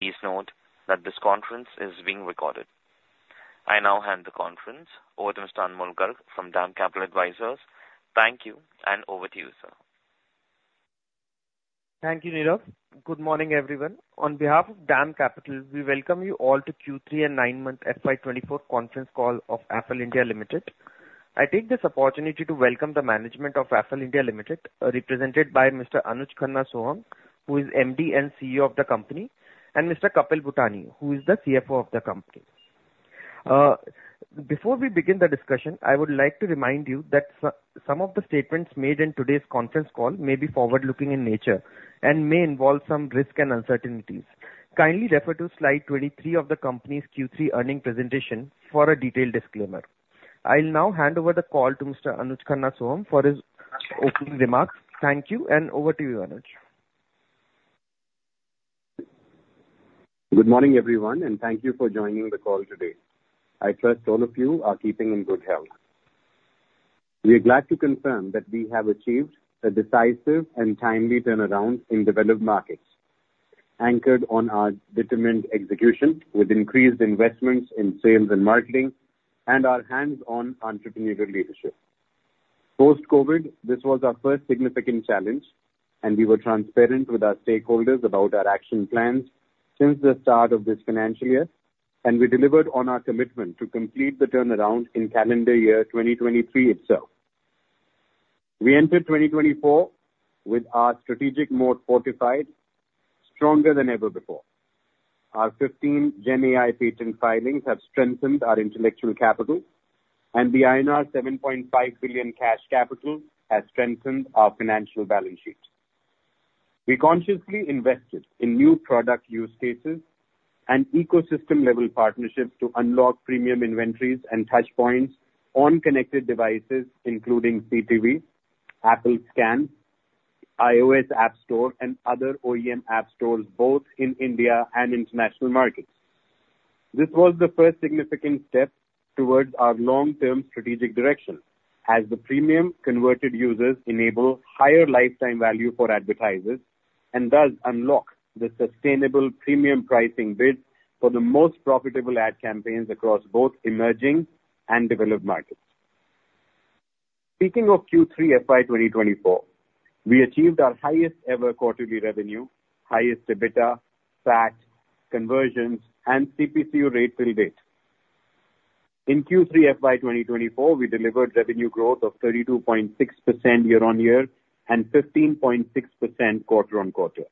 Please note that this conference is being recorded. I now hand the conference over to Mr. Anmol Garg from DAM Capital Advisors. Thank you, and over to you, sir. Thank you, Nirav. Good morning, everyone. On behalf of DAM Capital, we welcome you all to Q3 and Nine-Month FY 2024 Conference Call of Affle India Limited. I take this opportunity to welcome the management of Affle India Limited, represented by Mr. Anuj Khanna Sohum, who is MD and CEO of the company, and Mr. Kapil Bhutani, who is the CFO of the company. Before we begin the discussion, I would like to remind you that some of the statements made in today's conference call may be forward-looking in nature and may involve some risk and uncertainties. Kindly refer to Slide 23 of the company's Q3 earning presentation for a detailed disclaimer. I'll now hand over the call to Mr. Anuj Khanna Sohum for his opening remarks. Thank you, and over to you, Anuj. Good morning, everyone, and thank you for joining the call today. I trust all of you are keeping in good health. We are glad to confirm that we have achieved a decisive and timely turnaround in developed markets, anchored on our determined execution, with increased investments in sales and marketing and our hands-on entrepreneurial leadership. Post-COVID, this was our first significant challenge, and we were transparent with our stakeholders about our action plans since the start of this financial year, and we delivered on our commitment to complete the turnaround in calendar year 2023 itself. We entered 2024 with our strategic mode fortified, stronger than ever before. Our 15 Gen AI patent filings have strengthened our intellectual capital, and the INR 7.5 billion cash capital has strengthened our financial balance sheet. We consciously invested in new product use cases and ecosystem-level partnerships to unlock premium inventories and touchpoints on connected devices, including CTV, SKAN, iOS App Store, and other OEM app stores, both in India and international markets. This was the first significant step towards our long-term strategic direction, as the premium converted users enable higher lifetime value for advertisers and thus unlock the sustainable premium pricing bids for the most profitable ad campaigns across both emerging and developed markets. Speaking of Q3 FY 2024, we achieved our highest ever quarterly revenue, highest EBITDA, PAT, conversions, and CPCU rates till date. In Q3 FY 2024, we delivered revenue growth of 32.6% year-on-year and 15.6% quarter-on-quarter.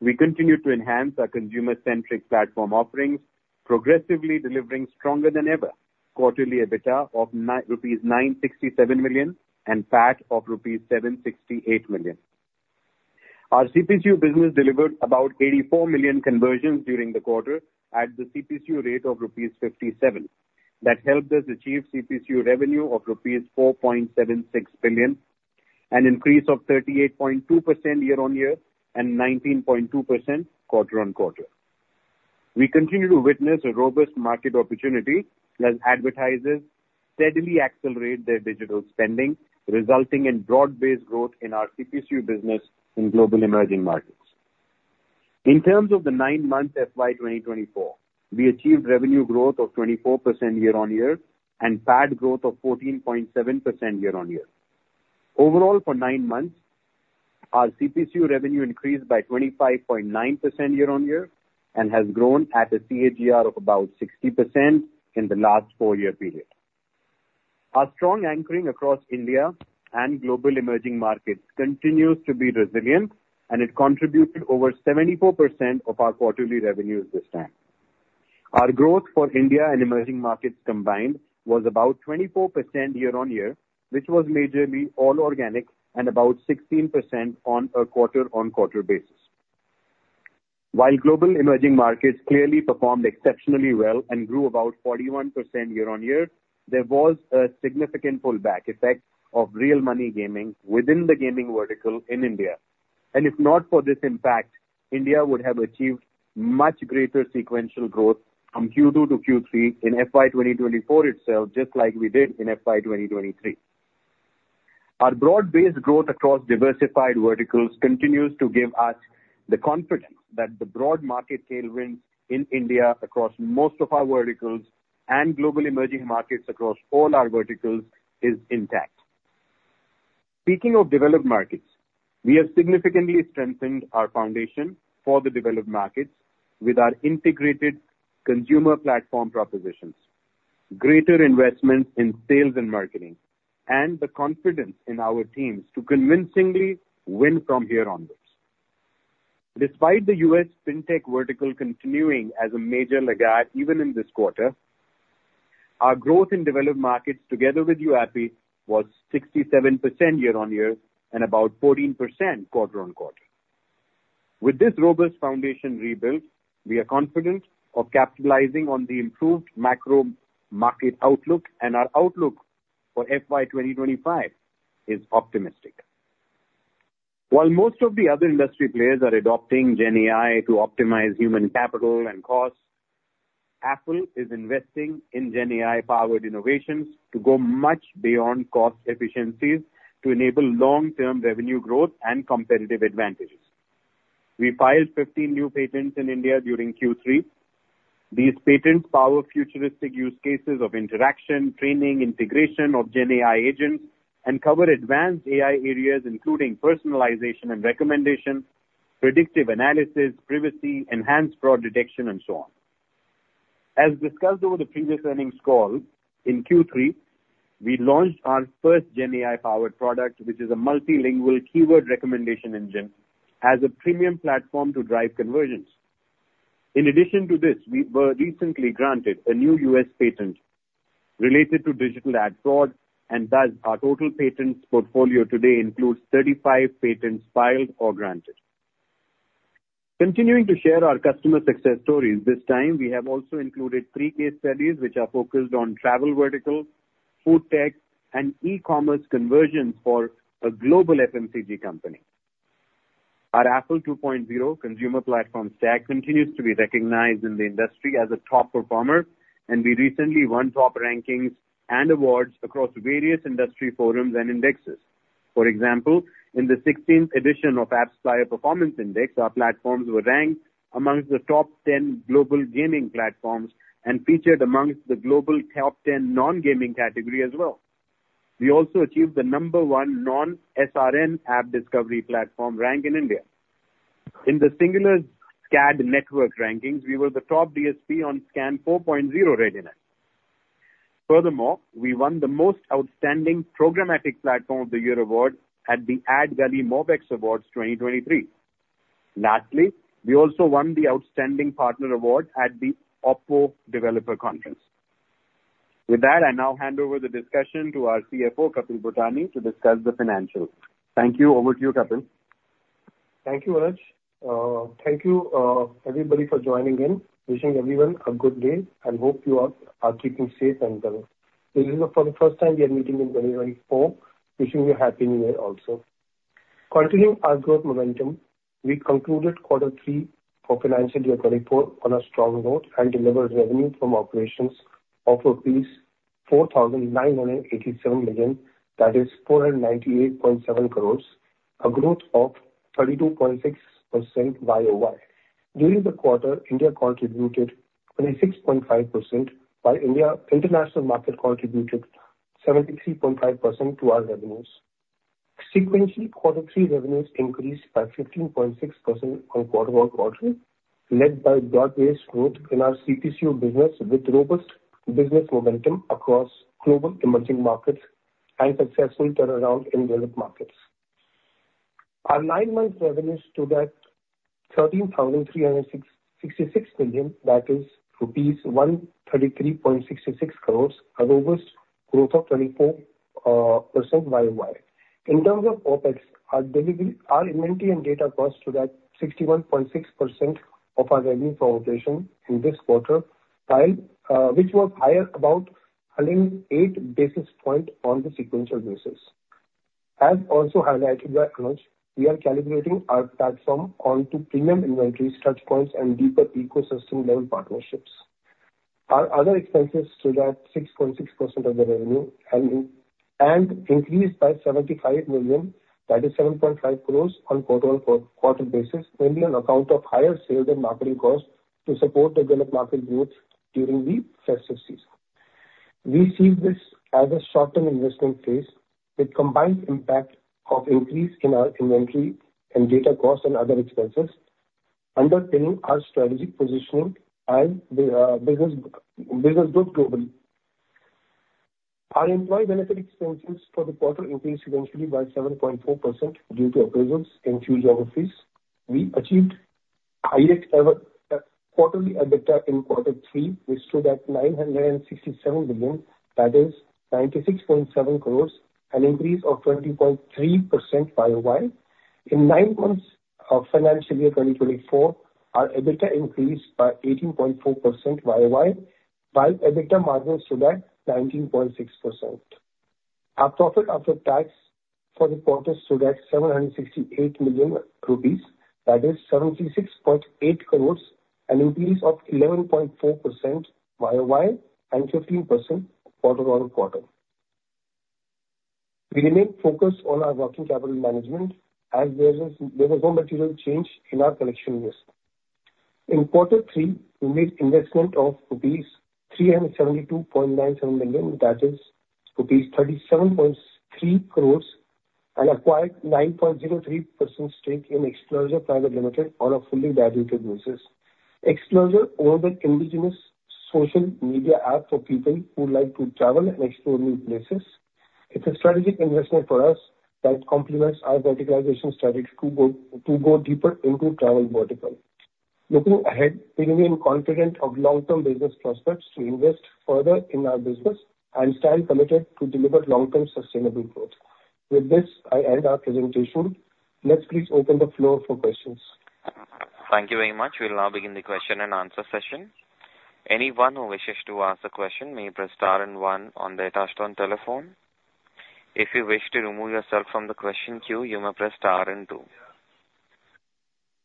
We continued to enhance our consumer-centric platform offerings, progressively delivering stronger than ever quarterly EBITDA of rupees 967 million and PAT of rupees 768 million. Our CPCU business delivered about 84 million conversions during the quarter at the CPCU rate of rupees 57. That helped us achieve CPCU revenue of rupees 4.76 billion, an increase of 38.2% year-on-year and 19.2% quarter-on-quarter. We continue to witness a robust market opportunity as advertisers steadily accelerate their digital spending, resulting in broad-based growth in our CPCU business in global emerging markets. In terms of the nine-month FY 2024, we achieved revenue growth of 24% year-on-year and PAT growth of 14.7% year-on-year. Overall, for nine months, our CPCU revenue increased by 25.9% year-on-year and has grown at a CAGR of about 60% in the last four-year period. Our strong anchoring across India and global emerging markets continues to be resilient, and it contributed over 74% of our quarterly revenues this time. Our growth for India and emerging markets combined was about 24% year-on-year, which was majorly all organic and about 16% on a quarter-on-quarter basis. While global emerging markets clearly performed exceptionally well and grew about 41% year-on-year, there was a significant pullback effect of real money gaming within the gaming vertical in India. If not for this impact, India would have achieved much greater sequential growth from Q2 to Q3 in FY 2024 itself, just like we did in FY 2023. Our broad-based growth across diversified verticals continues to give us the confidence that the broad market tailwind in India, across most of our verticals and global emerging markets across all our verticals is intact. Speaking of developed markets, we have significantly strengthened our foundation for the developed markets with our integrated consumer platform propositions, greater investment in sales and marketing, and the confidence in our teams to convincingly win from here onwards. Despite the U.S. fintech vertical continuing as a major laggard even in this quarter, our growth in developed markets together with YouAppi was 67% year-on-year and about 14% quarter-on-quarter. With this robust foundation rebuilt, we are confident of capitalizing on the improved macro market outlook, and our outlook for FY 2025 is optimistic. While most of the other industry players are adopting Gen AI to optimize human capital and costs. Affle is investing in Gen AI-powered innovations to go much beyond cost efficiencies to enable long-term revenue growth and competitive advantages. We filed 15 new patents in India during Q3. These patents power futuristic use cases of interaction, training, integration of Gen AI agents, and cover advanced AI areas, including personalization and recommendation, predictive analysis, privacy, enhanced fraud detection, and so on. As discussed over the previous earnings call, in Q3, we launched our first Gen AI-powered product, which is a multilingual keyword recommendation engine, as a premium platform to drive conversions. In addition to this, we were recently granted a new U.S. patent related to digital ad fraud, and thus our total patent portfolio today includes 35 patents filed or granted. Continuing to share our customer success stories, this time we have also included three case studies, which are focused on travel vertical, food tech, and e-commerce conversions for a global FMCG company. Our Affle 2.0 Consumer Platform Stack continues to be recognized in the industry as a top performer, and we recently won top rankings and awards across various industry forums and indexes. For example, in the 16th edition of AppsFlyer Performance Index, our platforms were ranked amongst the top 10 global gaming platforms and featured amongst the global top 10 non-gaming category as well. We also achieved the number one non-SRN app discovery platform rank in India. In the Singular SKAdNetwork rankings, we were the top DSP on SKAN 4.0 readiness. Furthermore, we won the Most Outstanding Programmatic Platform of the Year award at the AdGully MOBEXX Awards 2023. Lastly, we also won the Outstanding Partner Award at the OPPO Developer Conference. With that, I now hand over the discussion to our CFO, Kapil Bhutani, to discuss the financials. Thank you. Over to you, Kapil. Thank you, Anuj. Thank you, everybody for joining in. Wishing everyone a good day, and hope you are keeping safe and well. This is the first time we are meeting in 2024. Wishing you a Happy New Year also. Continuing our growth momentum, we concluded quarter three for financial year 2024 on a strong note and delivered revenue from operations of rupees 4,987 million, that is 498.7 crores, a growth of 32.6% YoY. During the quarter, India contributed 26.5%, while India international market contributed 73.5% to our revenues. Sequentially, quarter three revenues increased by 15.6% on quarter-over-quarter, led by broad-based growth in our CTV business, with robust business momentum across global emerging markets and successful turnaround in developed markets. Our nine-month revenues stood at 13,366 million, that is rupees 133.66 crores, a robust growth of 24% YoY. In terms of OpEx, our delivery, our inventory and data costs stood at 61.6% of our revenue from operation in this quarter, while, which was higher about 108 basis point on the sequential basis. As also highlighted by Anuj, we are calibrating our platform onto premium inventory touchpoints and deeper ecosystem-level partnerships. Our other expenses stood at 6.6% of the revenue and, and increased by 75 million, that is 7.5 crores, on quarter-on-quarter basis, mainly on account of higher sales and marketing costs to support the developed market growth during the festive season. We see this as a short-term investment phase with combined impact of increase in our inventory and data costs and other expenses underpinning our strategic positioning and the business, business growth globally. Our employee benefit expenses for the quarter increased sequentially by 7.4% due to appraisals in two geographies. We achieved highest ever quarterly EBITDA in quarter three, which stood at 967 million, that is 96.7 crores, an increase of 20.3% YoY. In nine months of financial year 2024, our EBITDA increased by 18.4% YOY, while EBITDA margin stood at 19.6%. Our profit after tax for the quarter stood at 768 million rupees, that is 76.8 crores, an increase of 11.4% YoY and 15% quarter-over-quarter. We remain focused on our working capital management, as there was no material change in our collection risk. In quarter three, we made investment of rupees 372.97 million, that is rupees 37.3 crores, and acquired 9.03% stake in Explorza Private Limited on a fully diluted basis. Explorza own the indigenous social media app for people who like to travel and explore new places. It's a strategic investment for us that complements our verticalization strategy to go deeper into travel vertical. Looking ahead, we remain confident of long-term business prospects to invest further in our business and stay committed to deliver long-term sustainable growth. With this, I end our presentation. Let's please open the floor for questions. Thank you very much. We'll now begin the question and answer session. Anyone who wishes to ask a question may press star and one on their touchtone telephone. If you wish to remove yourself from the question queue, you may press star and two.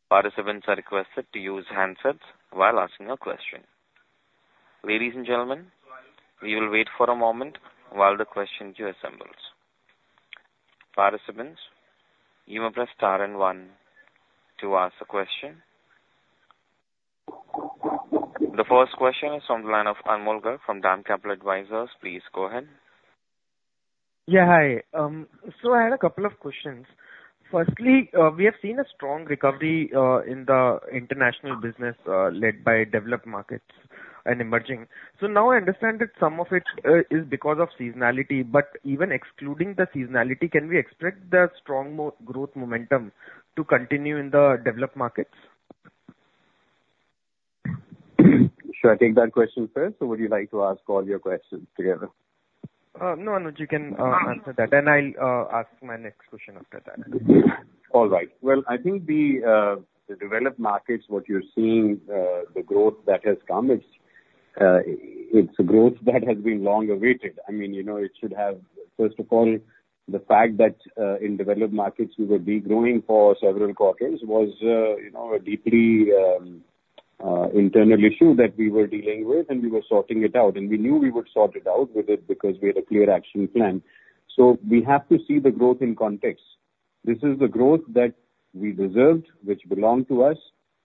Participants are requested to use handsets while asking a question. Ladies and gentlemen, we will wait for a moment while the question queue assembles. Participants, you may press star and one to ask a question. The first question is from the line of Anmol Garg from DAM Capital Advisors. Please go ahead. Yeah, hi. So I had a couple of questions. Firstly, we have seen a strong recovery in the international business, led by developed markets and emerging. So now I understand that some of it is because of seasonality, but even excluding the seasonality, can we expect the strong growth momentum to continue in the developed markets? Should I take that question first, or would you like to ask all your questions together? No, Anuj, you can answer that, and I'll ask my next question after that. All right. Well, I think the, the developed markets, what you're seeing, the growth that has come, it's, it's a growth that has been long awaited. I mean, you know, it should have... First of all, the fact that, in developed markets we were degrowing for several quarters was, you know, a deeply, internal issue that we were dealing with, and we were sorting it out. And we knew we would sort it out with it because we had a clear action plan. So we have to see the growth in context. This is the growth that we deserved, which belonged to us,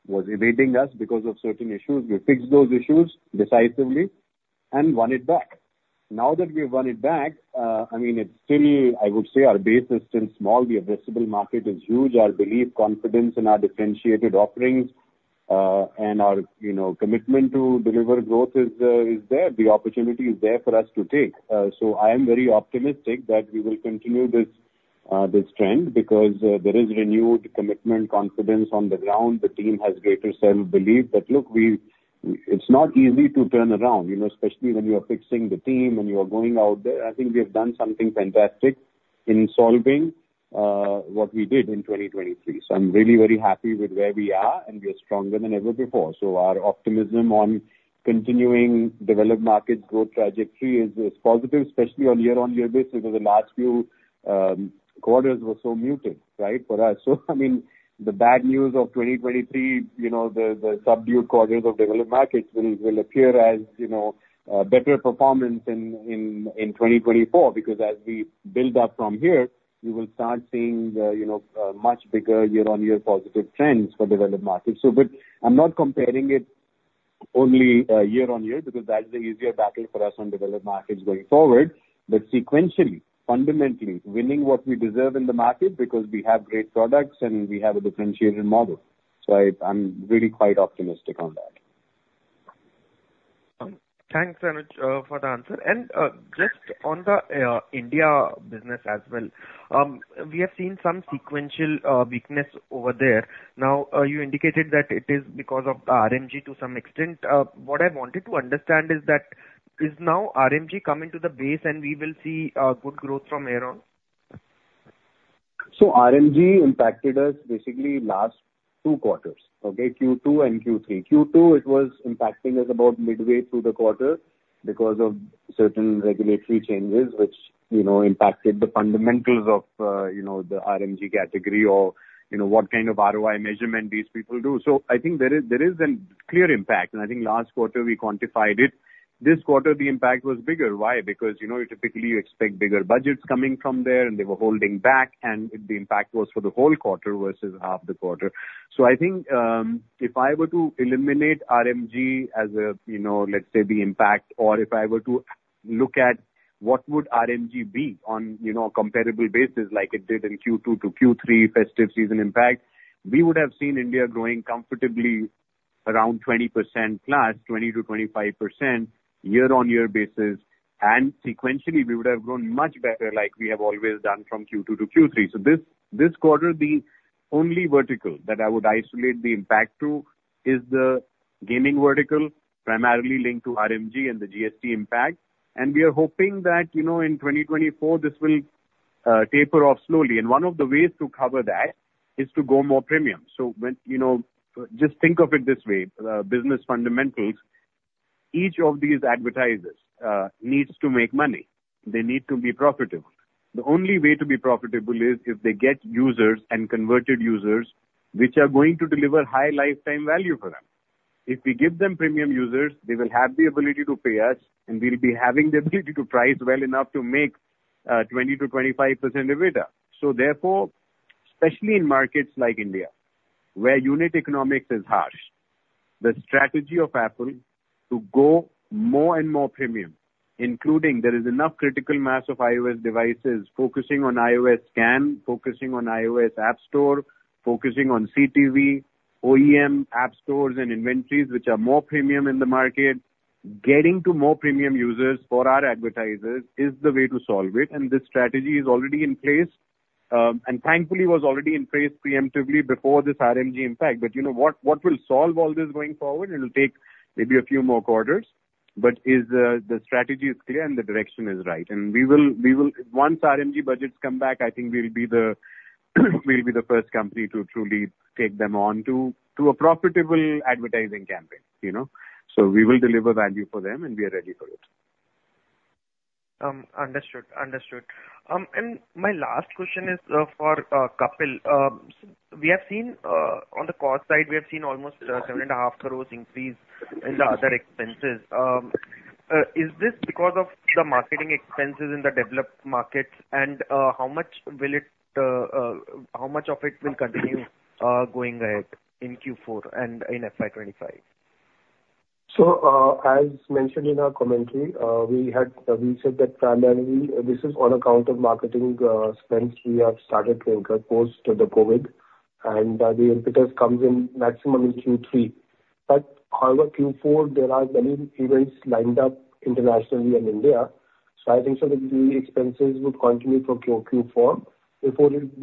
was evading us because of certain issues. We fixed those issues decisively and won it back. Now that we've won it back, I mean, it's still, I would say our base is still small. The addressable market is huge. Our belief, confidence in our differentiated offerings, and our, you know, commitment to deliver growth is, is there. The opportunity is there for us to take. So I am very optimistic that we will continue this, this trend, because, there is renewed commitment, confidence on the ground. The team has greater self-belief. But look, it's not easy to turn around, you know, especially when you are fixing the team and you are going out there. I think we have done something fantastic in solving, what we did in 2023. So I'm really very happy with where we are, and we are stronger than ever before. So our optimism on continuing developed markets growth trajectory is, is positive, especially on year-on-year basis, because the last few quarters were so muted, right, for us. So, I mean, the bad news of 2023, you know, the subdued quarters of developed markets will appear as, you know, better performance in 2024, because as we build up from here, we will start seeing the, you know, much bigger year-on-year positive trends for developed markets. So, but I'm not comparing it only year-on-year, because that's the easier battle for us on developed markets going forward. But sequentially, fundamentally, winning what we deserve in the market because we have great products, and we have a differentiated model. So I'm really quite optimistic on that. Thanks, Anuj, for the answer. And, just on the India business as well, we have seen some sequential weakness over there. Now, you indicated that it is because of the RMG to some extent. What I wanted to understand is that, is now RMG coming to the base, and we will see good growth from here on? So RMG impacted us basically last two quarters, okay? Q2 and Q3. Q2, it was impacting us about midway through the quarter because of certain regulatory changes, which, you know, impacted the fundamentals of, you know, the RMG category or, you know, what kind of ROI measurement these people do. So I think there is, there is a clear impact, and I think last quarter we quantified it. This quarter, the impact was bigger. Why? Because, you know, you typically expect bigger budgets coming from there, and they were holding back, and the impact was for the whole quarter versus half the quarter. So I think, if I were to eliminate RMG as a, you know, let's say, the impact, or if I were to look at what would RMG be on, you know, a comparable basis like it did in Q2 to Q3 festive season impact, we would have seen India growing comfortably around 20% plus, 20%-25% year-on-year basis, and sequentially, we would have grown much better like we have always done from Q2 to Q3. So this quarter, the only vertical that I would isolate the impact to is the gaming vertical, primarily linked to RMG and the GST impact. And we are hoping that, you know, in 2024, this will taper off slowly. And one of the ways to cover that is to go more premium. So when... You know, just think of it this way, business fundamentals, each of these advertisers, needs to make money. They need to be profitable. The only way to be profitable is if they get users and converted users, which are going to deliver high lifetime value for them. If we give them premium users, they will have the ability to pay us, and we'll be having the ability to price well enough to make, 20%-25% EBITDA. So therefore, especially in markets like India, where unit economics is harsh, the strategy of Affle to go more and more premium, including there is enough critical mass of iOS devices focusing on iOS SKAN, focusing on iOS App Store, focusing on CTV, OEM app stores and inventories, which are more premium in the market. Getting to more premium users for our advertisers is the way to solve it, and this strategy is already in place, and thankfully was already in place preemptively before this RMG impact. But, you know, what, what will solve all this going forward, it'll take maybe a few more quarters, but is, the strategy is clear and the direction is right. And we will, we will. Once RMG budgets come back, I think we'll be the, we'll be the first company to truly take them on to, to a profitable advertising campaign, you know. So we will deliver value for them, and we are ready for it. Understood, understood. And my last question is for Kapil. We have seen on the cost side we have seen almost 7.5 crore increase in the other expenses. Is this because of the marketing expenses in the developed markets? And how much will it how much of it will continue going ahead in Q4 and in FY 2025? So, as mentioned in our commentary, we had, we said that primarily this is on account of marketing, spends we have started to incur post the COVID, and, the impetus comes in maximum in Q3. But however, Q4, there are many events lined up internationally and India, so I think so that the expenses would continue for Q4 before it,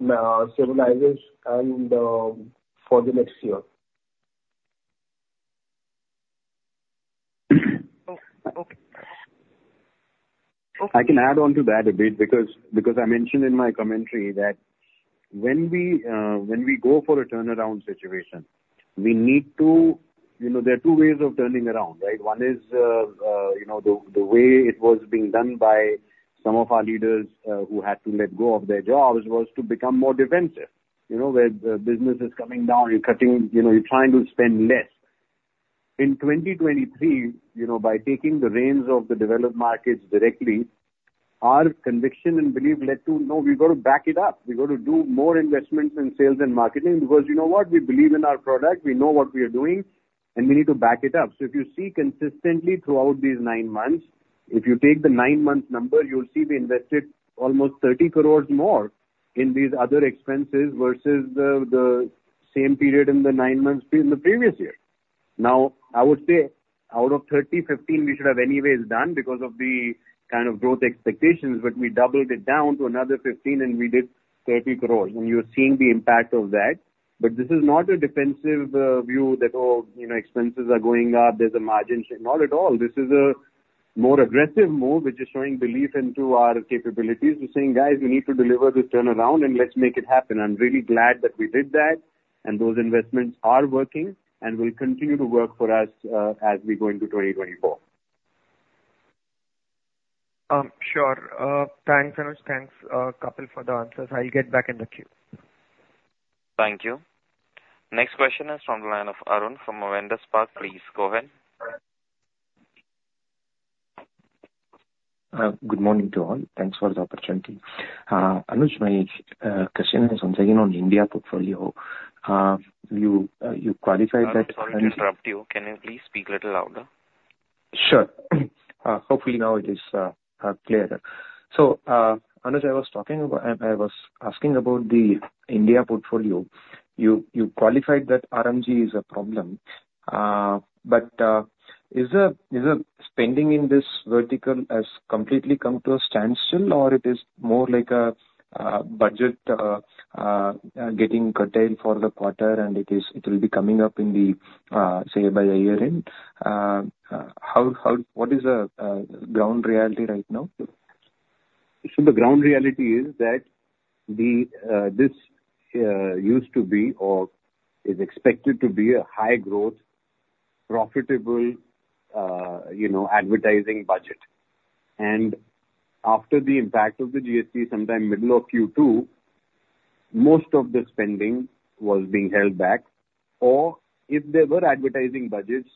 stabilizes and, for the next year. Oh, okay. Okay. I can add on to that a bit, because, because I mentioned in my commentary that when we, when we go for a turnaround situation, we need to. You know, there are two ways of turning around, right? One is, you know, the, the way it was being done by some of our leaders, who had to let go of their jobs, was to become more defensive. You know, where the business is coming down, you're cutting, you know, you're trying to spend less. In 2023, you know, by taking the reins of the developed markets directly, our conviction and belief led to, "No, we've got to back it up. We've got to do more investments in sales and marketing, because you know what? We believe in our product. We know what we are doing, and we need to back it up." So if you see consistently throughout these nine months, if you take the nine-month number, you'll see we invested almost 30 crore more in these other expenses versus the, the same period in the nine months in the previous year. Now, I would say out of 30, 15 we should have anyways done because of the kind of growth expectations, but we doubled it down to another 15, and we did 30 crore, and you're seeing the impact of that. But this is not a defensive view that, oh, you know, expenses are going up, there's a margin shape. Not at all. This is a more aggressive move, which is showing belief into our capabilities. We're saying: Guys, we need to deliver this turnaround, and let's make it happen. I'm really glad that we did that, and those investments are working and will continue to work for us, as we go into 2024. Sure. Thanks, Anuj. Thanks, Kapil, for the answers. I'll get back in the queue. Thank you. Next question is from the line of Arun from Avendus Spark. Please go ahead. Good morning to all. Thanks for the opportunity. Anuj, my question is on, again, on India portfolio. You, you qualified that- Sorry to interrupt you. Can you please speak a little louder? Sure. Hopefully now it is clearer. So, Anuj, I was talking about. I was asking about the India portfolio. You qualified that RMG is a problem, but is the spending in this vertical has completely come to a standstill, or it is more like a budget getting curtailed for the quarter, and it will be coming up in the, say, by the year end? How... What is the ground reality right now? So the ground reality is that the this used to be or is expected to be a high-growth, profitable you know advertising budget. And after the impact of the GST, sometime middle of Q2, most of the spending was being held back. Or if there were advertising budgets,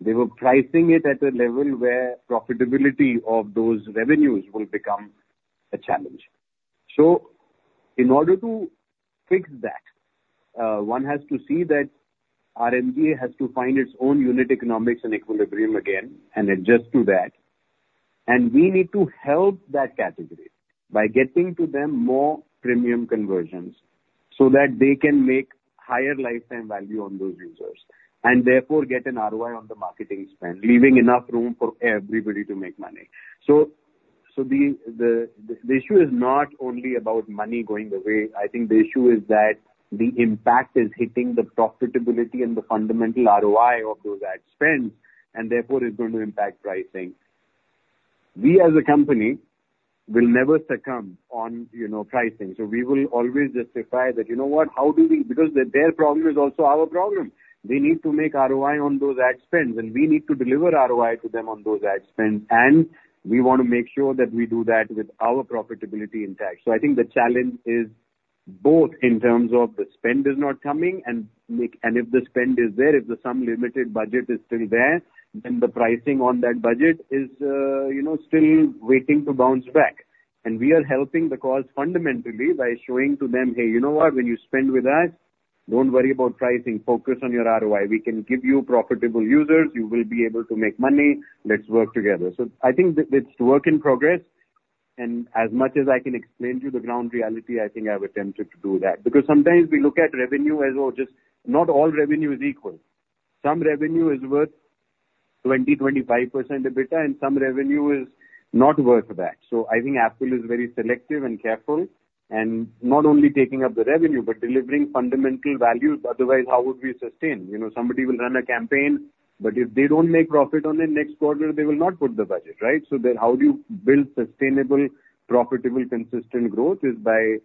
they were pricing it at a level where profitability of those revenues will become a challenge. So in order to fix that, one has to see that RMG has to find its own unit economics and equilibrium again and adjust to that. And we need to help that category by getting to them more premium conversions, so that they can make higher lifetime value on those users, and therefore, get an ROI on the marketing spend, leaving enough room for everybody to make money. So the issue is not only about money going away. I think the issue is that the impact is hitting the profitability and the fundamental ROI of those ad spends, and therefore, it's going to impact pricing. We, as a company, will never succumb on, you know, pricing, so we will always justify that, you know what? How do we... Because their problem is also our problem. We need to make ROI on those ad spends, and we need to deliver ROI to them on those ad spends, and we want to make sure that we do that with our profitability intact. So I think the challenge is both in terms of the spend is not coming, and if the spend is there, if some limited budget is still there, then the pricing on that budget is, you know, still waiting to bounce back. We are helping the cause fundamentally by showing to them: "Hey, you know what? When you spend with us, don't worry about pricing. Focus on your ROI. We can give you profitable users. You will be able to make money. Let's work together." So I think it's work in progress, and as much as I can explain to you the ground reality, I think I have attempted to do that. Because sometimes we look at revenue as, well, just not all revenue is equal. Some revenue is worth 20%-25% EBITDA, and some revenue is not worth that. So I think Apple is very selective and careful, and not only taking up the revenue, but delivering fundamental values, otherwise, how would we sustain? You know, somebody will run a campaign, but if they don't make profit on the next quarter, they will not put the budget, right? So then how do you build sustainable, profitable, consistent growth is by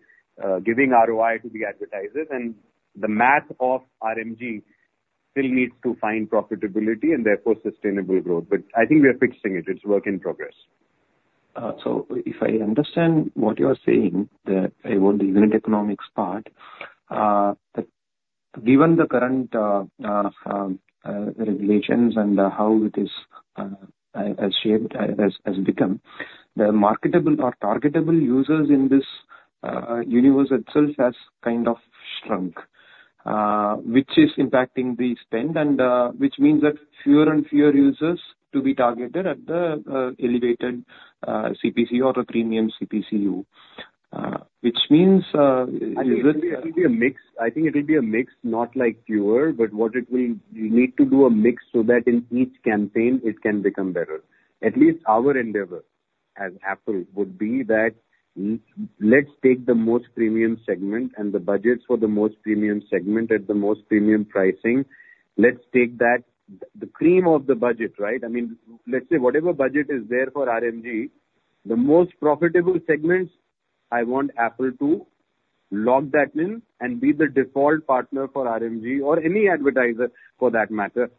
giving ROI to the advertisers. And the math of RMG still needs to find profitability and therefore sustainable growth. But I think we are fixing it. It's work in progress. So, if I understand what you are saying about the unit economics part, that given the current regulations and how it has shaped, has become, the marketable or targetable users in this universe itself has kind of shrunk, which is impacting the spend and which means that fewer and fewer users to be targeted at the elevated CPC or a premium CPCU, which means— I think it will be a mix. I think it will be a mix, not like fewer, but what it will... We need to do a mix so that in each campaign it can become better. At least our endeavor as Apple would be that each- let's take the most premium segment and the budgets for the most premium segment at the most premium pricing. Let's take that, the cream of the budget, right? I mean, let's say whatever budget is there for RMG, the most profitable segments, I want Apple to lock that in and be the default partner for RMG or any advertiser for that matter,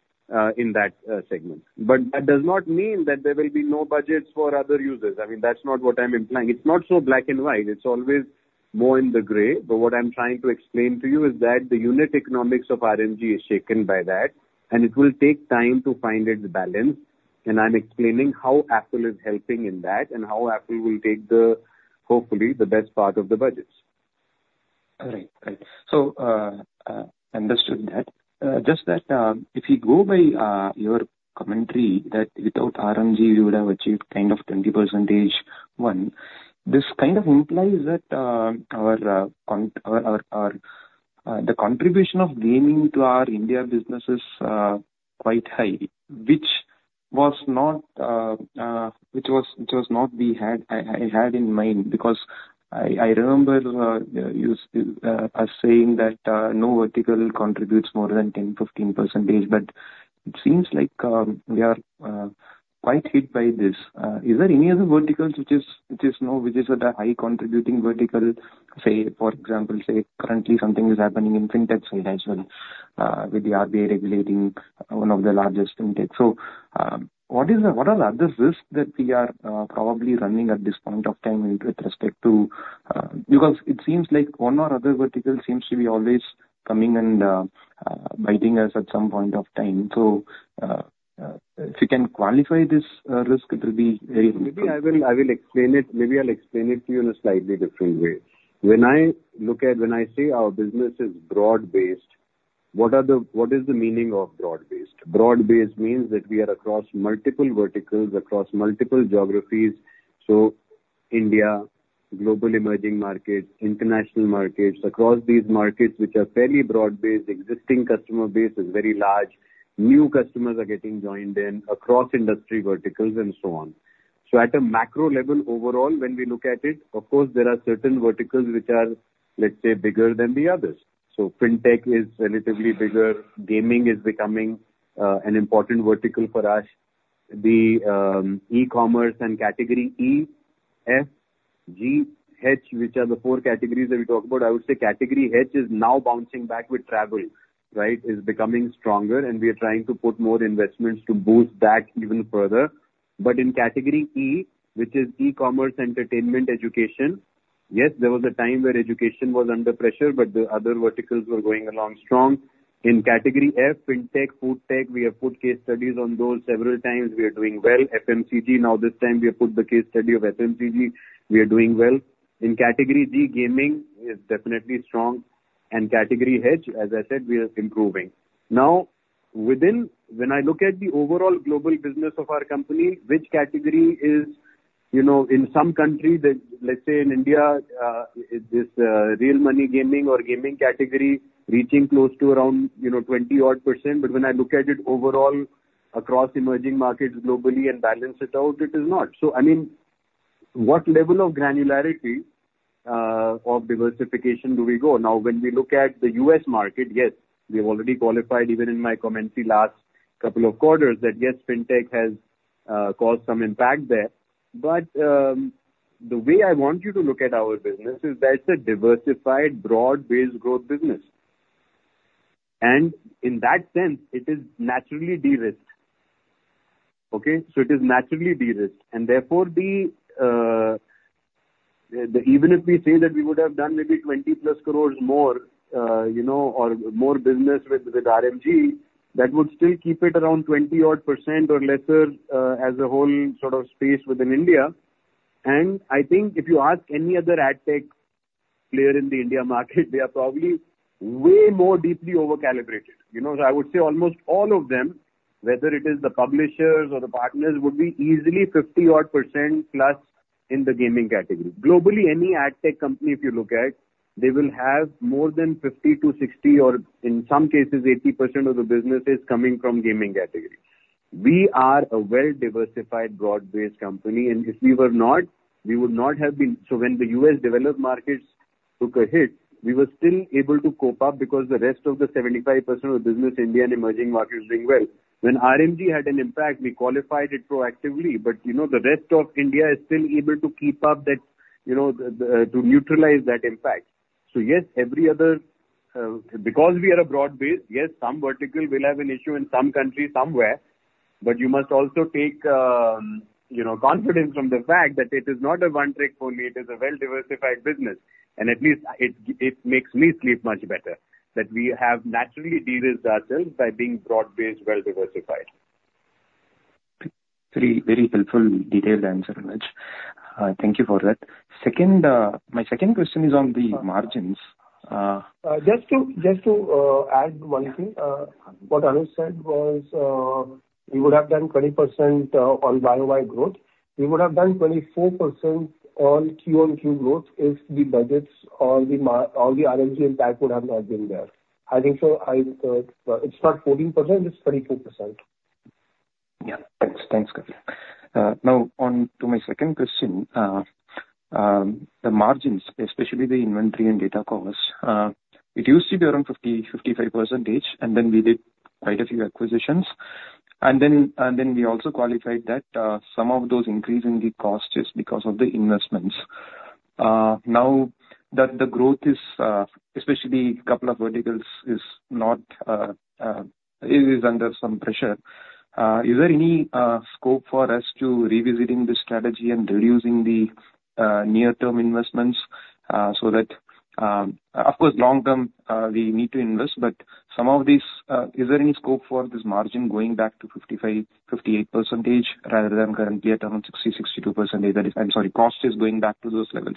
in that segment. But that does not mean that there will be no budgets for other users. I mean, that's not what I'm implying. It's not so black and white. It's always more in the gray. But what I'm trying to explain to you is that the unit economics of RMG is shaken by that, and it will take time to find its balance, and I'm explaining how Apple is helping in that and how Apple will take the, hopefully, the best part of the budgets. All right, great. So, understood that. Just that, if you go by your commentary, that without RMG, you would have achieved kind of 20% one, this kind of implies that, our, our, the contribution of gaming to our India business is quite high, which was not, which was not we had, I had in mind, because I remember you as saying that no vertical contributes more than 10%, 15%, but it seems like we are quite hit by this. Is there any other verticals which is, which is no- which is at a high contributing vertical? Say, for example, say currently something is happening in Fintech side as well, with the RBI regulating one of the largest fintech. So, what are the other risks that we are probably running at this point of time with respect to? Because it seems like one or other vertical seems to be always coming and biting us at some point of time. So, if you can qualify this risk, it will be very- Maybe I will explain it. Maybe I'll explain it to you in a slightly different way. When I say our business is broad-based, what is the meaning of broad-based? Broad-based means that we are across multiple verticals, across multiple geographies. So India, global emerging markets, international markets, across these markets, which are fairly broad-based, existing customer base is very large. New customers are getting joined in across industry verticals and so on. So at a macro level, overall, when we look at it, of course, there are certain verticals which are, let's say, bigger than the others. So Fintech is relatively bigger. Gaming is becoming an important vertical for us. The e-commerce and category E, F, G, H, which are the four categories that we talk about, I would say category H is now bouncing back with travel, right? It's becoming stronger, and we are trying to put more investments to boost that even further. But in category E, which is e-commerce, entertainment, education, yes, there was a time where education was under pressure, but the other verticals were going along strong. In category F, Fintech, Foodtech, we have put case studies on those several times. We are doing well. FMCG, now this time we have put the case study of FMCG. We are doing well. In category D, gaming is definitely strong, and category H, as I said, we are improving. Now, when I look at the overall global business of our company, which category is, you know, in some countries, let's say in India, this, real money gaming or gaming category reaching close to around, you know, 20-odd%. But when I look at it overall across emerging markets globally and balance it out, it is not. So I mean, what level of granularity of diversification do we go? Now, when we look at the U.S. market, yes, we have already qualified, even in my comments the last couple of quarters, that yes, fintech has caused some impact there. But the way I want you to look at our business is that it's a diversified, broad-based growth business, and in that sense, it is naturally de-risked. Okay? So it is naturally de-risked, and therefore, even if we say that we would have done maybe 20+ crore more, you know, or more business with RMG, that would still keep it around 20-odd% or less, as a whole sort of space within India. I think if you ask any other adtech player in the India market, they are probably way more deeply over-calibrated. You know, I would say almost all of them, whether it is the publishers or the partners, would be easily 50-odd% plus in the gaming category. Globally, any adtech company, if you look at, they will have more than 50-60%, or in some cases, 80% of the business is coming from gaming category. We are a well-diversified, broad-based company, and if we were not, we would not have been... So when the U.S. developed markets took a hit, we were still able to cope up because the rest of the 75% of the business, India and emerging markets, are doing well. When RMG had an impact, we qualified it proactively, but you know, the rest of India is still able to keep up that, you know, the, the, to neutralize that impact. So yes, every other, because we are a broad base, yes, some vertical will have an issue in some country, somewhere. But you must also take, you know, confidence from the fact that it is not a one trick pony, it is a well-diversified business, and at least it, it makes me sleep much better that we have naturally de-risked ourselves by being broad-based, well-diversified. Very, very helpful, detailed answer, Anuj. Thank you for that. Second, my second question is on the margins. Just to add one thing, what Anuj said was, we would have done 20% on YoY growth. We would have done 24% on Q-on-Q growth if the budgets or the RMG impact would have not been there. I think so, it's not 14%, it's 22%. Yeah. Thanks. Thanks, Kapil. Now on to my second question. The margins, especially the inventory and data costs, it used to be around 50%-55%, and then we did quite a few acquisitions. And then we also qualified that some of those increase in the cost is because of the investments. Now that the growth is, especially couple of verticals, is not, it is under some pressure. Is there any scope for us to revisiting this strategy and reducing the near-term investments so that... Of course, long term we need to invest, but some of these, is there any scope for this margin going back to 55%-58%, rather than currently at around 60%-62%? I'm sorry, cost is going back to those levels.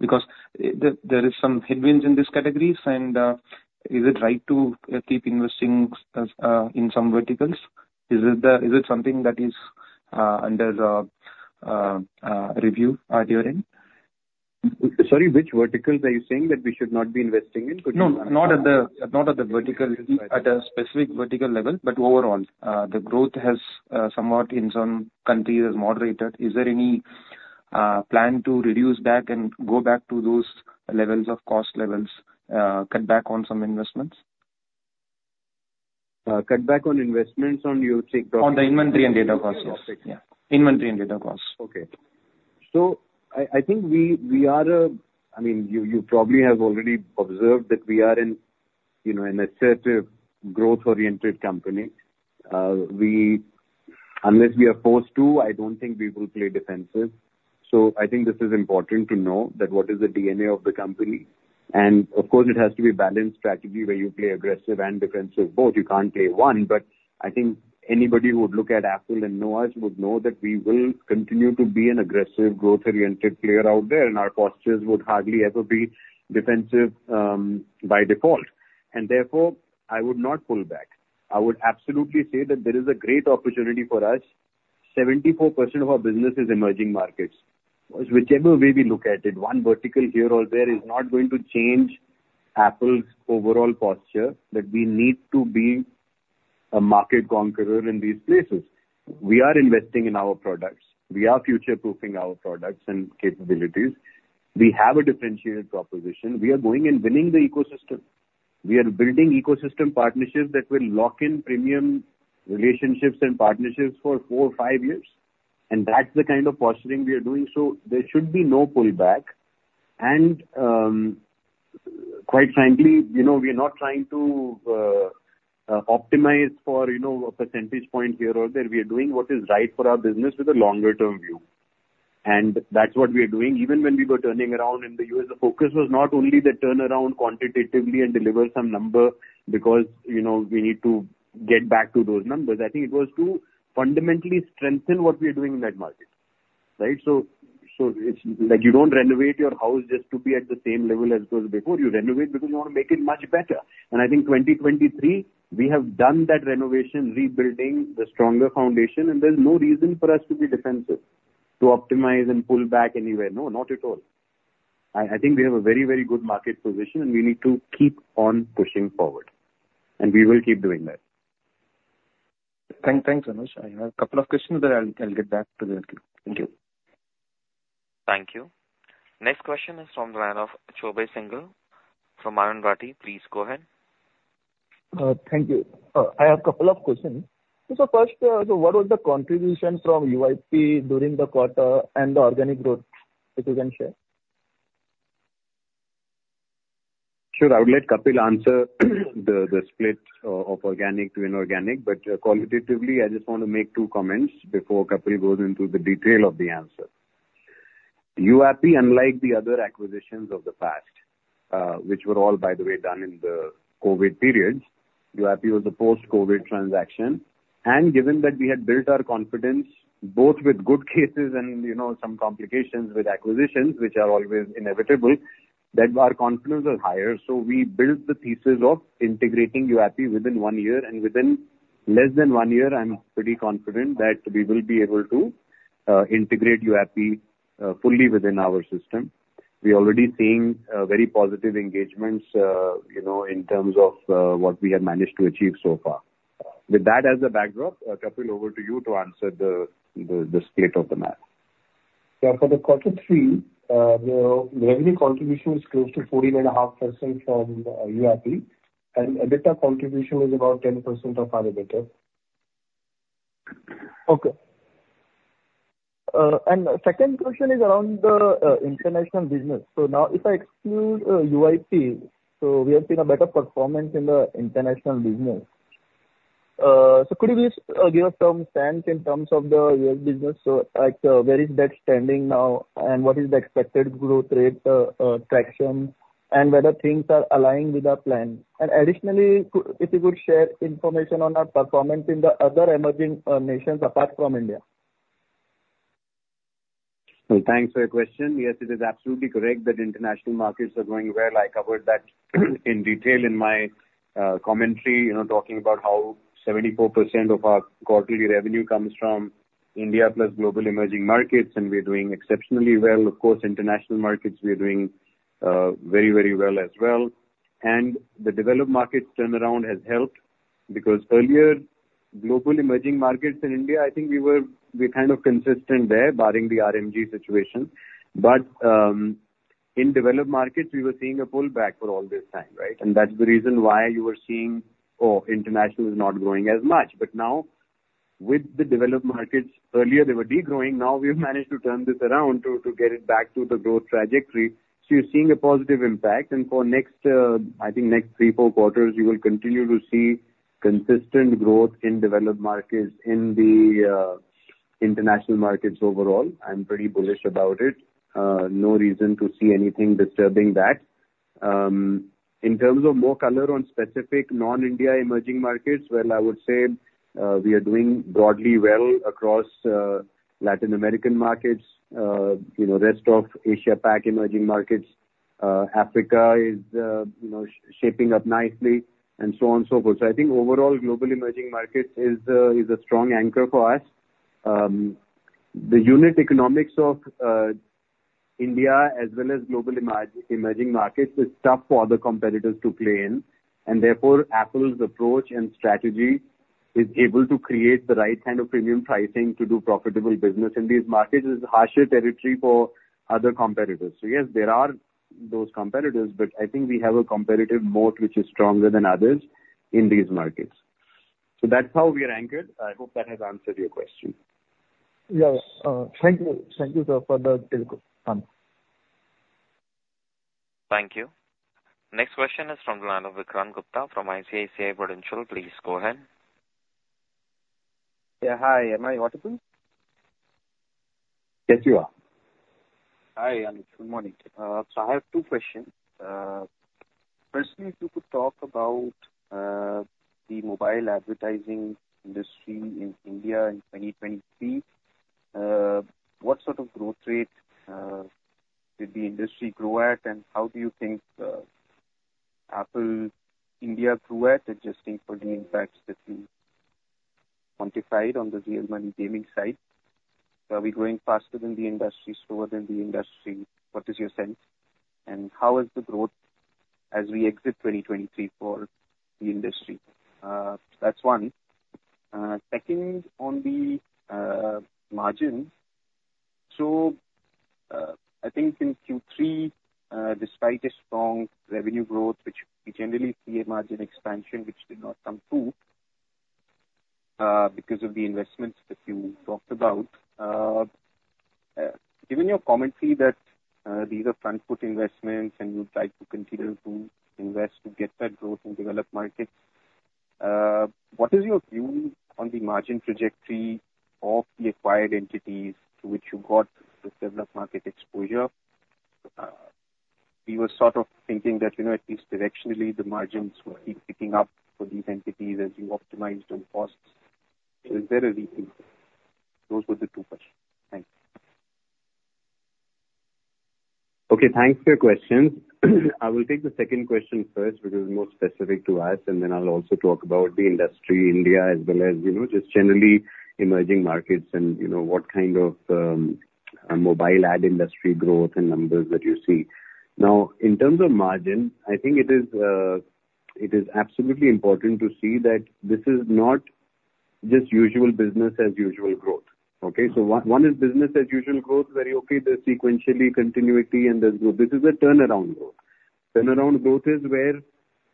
Because there is some headwinds in these categories, and is it right to keep investing in some verticals? Is it something that is under the review during? Sorry, which verticals are you saying that we should not be investing in? No, not at the vertical, at a specific vertical level, but overall. The growth has somewhat in some countries has moderated. Is there any plan to reduce back and go back to those levels of cost levels, cut back on some investments? Cut back on investments on you said- On the inventory and data costs, yes. Yeah, inventory and data costs. Okay. So I think we are a... I mean, you probably have already observed that we are an, you know, an assertive growth-oriented company. We, unless we are forced to, I don't think we will play defensive. So I think this is important to know that what is the DNA of the company. And, of course, it has to be a balanced strategy where you play aggressive and defensive both. You can't play one, but I think anybody who would look at Apple and know us would know that we will continue to be an aggressive, growth-oriented player out there, and our postures would hardly ever be defensive, by default. And therefore, I would not pull back. I would absolutely say that there is a great opportunity for us. 74% of our business is emerging markets. Whichever way we look at it, one vertical here or there is not going to change Apple's overall posture, that we need to be a market conqueror in these places. We are investing in our products. We are future-proofing our products and capabilities. We have a differentiated proposition. We are going and winning the ecosystem. We are building ecosystem partnerships that will lock in premium relationships and partnerships for four-five years, and that's the kind of posturing we are doing. So there should be no pullback. And, quite frankly, you know, we are not trying to optimize for, you know, a percentage point here or there. We are doing what is right for our business with a longer-term view. And that's what we are doing. Even when we were turning around in the U.S., the focus was not only the turnaround quantitatively and deliver some number, because, you know, we need to get back to those numbers. I think it was to fundamentally strengthen what we are doing in that market, right? So it's, like, you don't renovate your house just to be at the same level as it was before. You renovate because you want to make it much better. And I think 2023, we have done that renovation, rebuilding the stronger foundation, and there's no reason for us to be defensive, to optimize and pull back anywhere. No, not at all. I think we have a very, very good market position, and we need to keep on pushing forward, and we will keep doing that. Thanks, Anuj. I have a couple of questions, but I'll get back to them. Thank you. Thank you. Next question is from Shobhit Singhal, from Anand Rathi. Please go ahead. Thank you. I have a couple of questions. So first, what was the contribution from UAP during the quarter and the organic growth, if you can share? Sure. I would let Kapil answer the split of organic to inorganic. But qualitatively, I just want to make two comments before Kapil goes into the detail of the answer. UAP, unlike the other acquisitions of the past, which were all, by the way, done in the COVID periods, UAP was a post-COVID transaction. And given that we had built our confidence both with good cases and, you know, some complications with acquisitions, which are always inevitable, that our confidence was higher. So we built the thesis of integrating UAP within one year, and within less than one year, I'm pretty confident that we will be able to integrate UAP fully within our system. We're already seeing very positive engagements, you know, in terms of what we have managed to achieve so far. With that as a backdrop, Kapil, over to you to answer the split of the map. Yeah, for quarter three, the revenue contribution is close to 14.5% from UAP, and EBITDA contribution is about 10% of our EBITDA. Okay, and the second question is around the international business. So now, if I exclude UAP, so we have seen a better performance in the international business. So could you please give us some sense in terms of the U.S. business? So, like, where is that standing now, and what is the expected growth rate, traction, and whether things are aligning with our plan? And additionally, if you could share information on our performance in the other emerging nations apart from India. Well, thanks for your question. Yes, it is absolutely correct that international markets are going well. I covered that in detail in my commentary, you know, talking about how 74% of our quarterly revenue comes from India, plus global emerging markets, and we're doing exceptionally well. Of course, international markets, we are doing very, very well as well. And the developed markets' turnaround has helped, because earlier, global emerging markets in India, I think we're kind of consistent there, barring the RMG situation. But in developed markets, we were seeing a pullback for all this time, right? And that's the reason why you were seeing, oh, international is not growing as much. But now, with the developed markets, earlier, they were degrowing, now we've managed to turn this around to get it back to the growth trajectory. So you're seeing a positive impact, and for next, I think next three, four quarters, you will continue to see consistent growth in developed markets, in the, international markets overall. I'm pretty bullish about it. No reason to see anything disturbing that. In terms of more color on specific non-India emerging markets, well, I would say, we are doing broadly well across, Latin American markets, you know, rest of Asia Pac emerging markets, Africa is, you know, shaping up nicely, and so on and so forth. So I think overall, global emerging markets is a, is a strong anchor for us. The unit economics of India as well as global emerging markets is tough for other competitors to play in, and therefore, Apple's approach and strategy is able to create the right kind of premium pricing to do profitable business in these markets. It's harsher territory for other competitors. So yes, there are those competitors, but I think we have a competitive moat which is stronger than others in these markets. So that's how we are anchored. I hope that has answered your question. Yes. Thank you. Thank you, sir, for the detail. Thank you. Next question is from the line of Vikrant Gupta from ICICI Prudential. Please go ahead. Yeah, hi. Am I audible? Yes, you are. Hi, and good morning. So I have two questions. Firstly, if you could talk about the mobile advertising industry in India in 2023. What sort of growth rate did the industry grow at, and how do you think Apple India grew at, adjusting for the impacts that we quantified on the real money gaming side? Are we growing faster than the industry, slower than the industry? What is your sense, and how is the growth as we exit 2023 for the industry? That's one. Second, on the margins, so I think in Q3, despite a strong revenue growth, which we generally see a margin expansion which did not come through, because of the investments that you talked about. Given your commentary that these are front-foot investments and you would like to continue to invest to get that growth in developed markets, what is your view on the margin trajectory of the acquired entities through which you got the developed market exposure? We were sort of thinking that, you know, at least directionally, the margins were keeping up for these entities as you optimized on costs. So is there anything? Those were the two questions. Thanks. Okay, thanks for your questions. I will take the second question first, which is more specific to us, and then I'll also talk about the industry, India, as well as, you know, just generally emerging markets and, you know, what kind of mobile ad industry growth and numbers that you see. Now, in terms of margin, I think it is, it is absolutely important to see that this is not just usual business as usual growth. Okay? So one is business as usual growth, where, okay, there's sequentially continuity and there's growth. This is a turnaround growth. Turnaround growth is where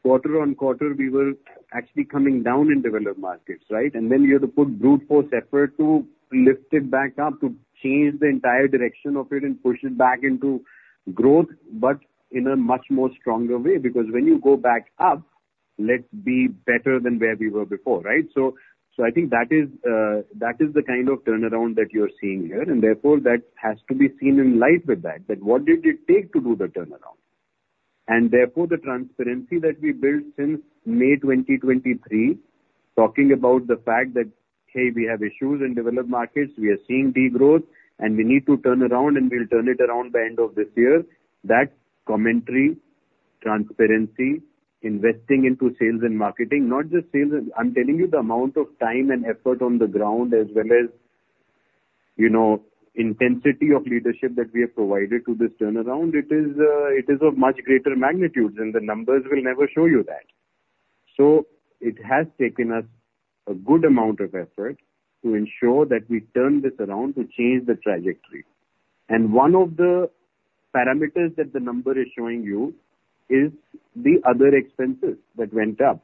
quarter-on-quarter, we were actually coming down in developed markets, right? And then you have to put brute force effort to lift it back up, to change the entire direction of it and push it back into growth, but in a much more stronger way. Because when you go back up, let's be better than where we were before, right? So, so I think that is, that is the kind of turnaround that you're seeing here, and therefore, that has to be seen in light with that, that what did it take to do the turnaround? And therefore, the transparency that we built since May 2023, talking about the fact that, "Hey, we have issues in developed markets, we are seeing degrowth, and we need to turn around, and we'll turn it around by end of this year," That commentary, transparency, investing into sales and marketing, not just sales and... I'm telling you, the amount of time and effort on the ground, as well as, you know, intensity of leadership that we have provided to this turnaround, it is, it is of much greater magnitudes, and the numbers will never show you that. So it has taken us a good amount of effort to ensure that we turn this around to change the trajectory. One of the parameters that the number is showing you is the other expenses that went up,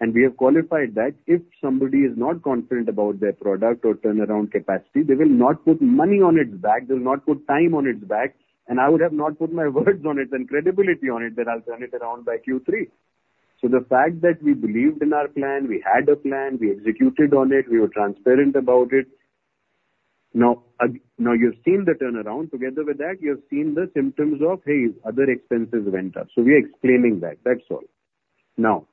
and we have qualified that if somebody is not confident about their product or turnaround capacity, they will not put money on its back, they will not put time on its back, and I would have not put my words on it and credibility on it that I'll turn it around by Q3. So the fact that we believed in our plan, we had a plan, we executed on it, we were transparent about it. Now, now you've seen the turnaround. Together with that, you have seen the symptoms of, hey, other expenses went up. So we are explaining that. That's all. Now,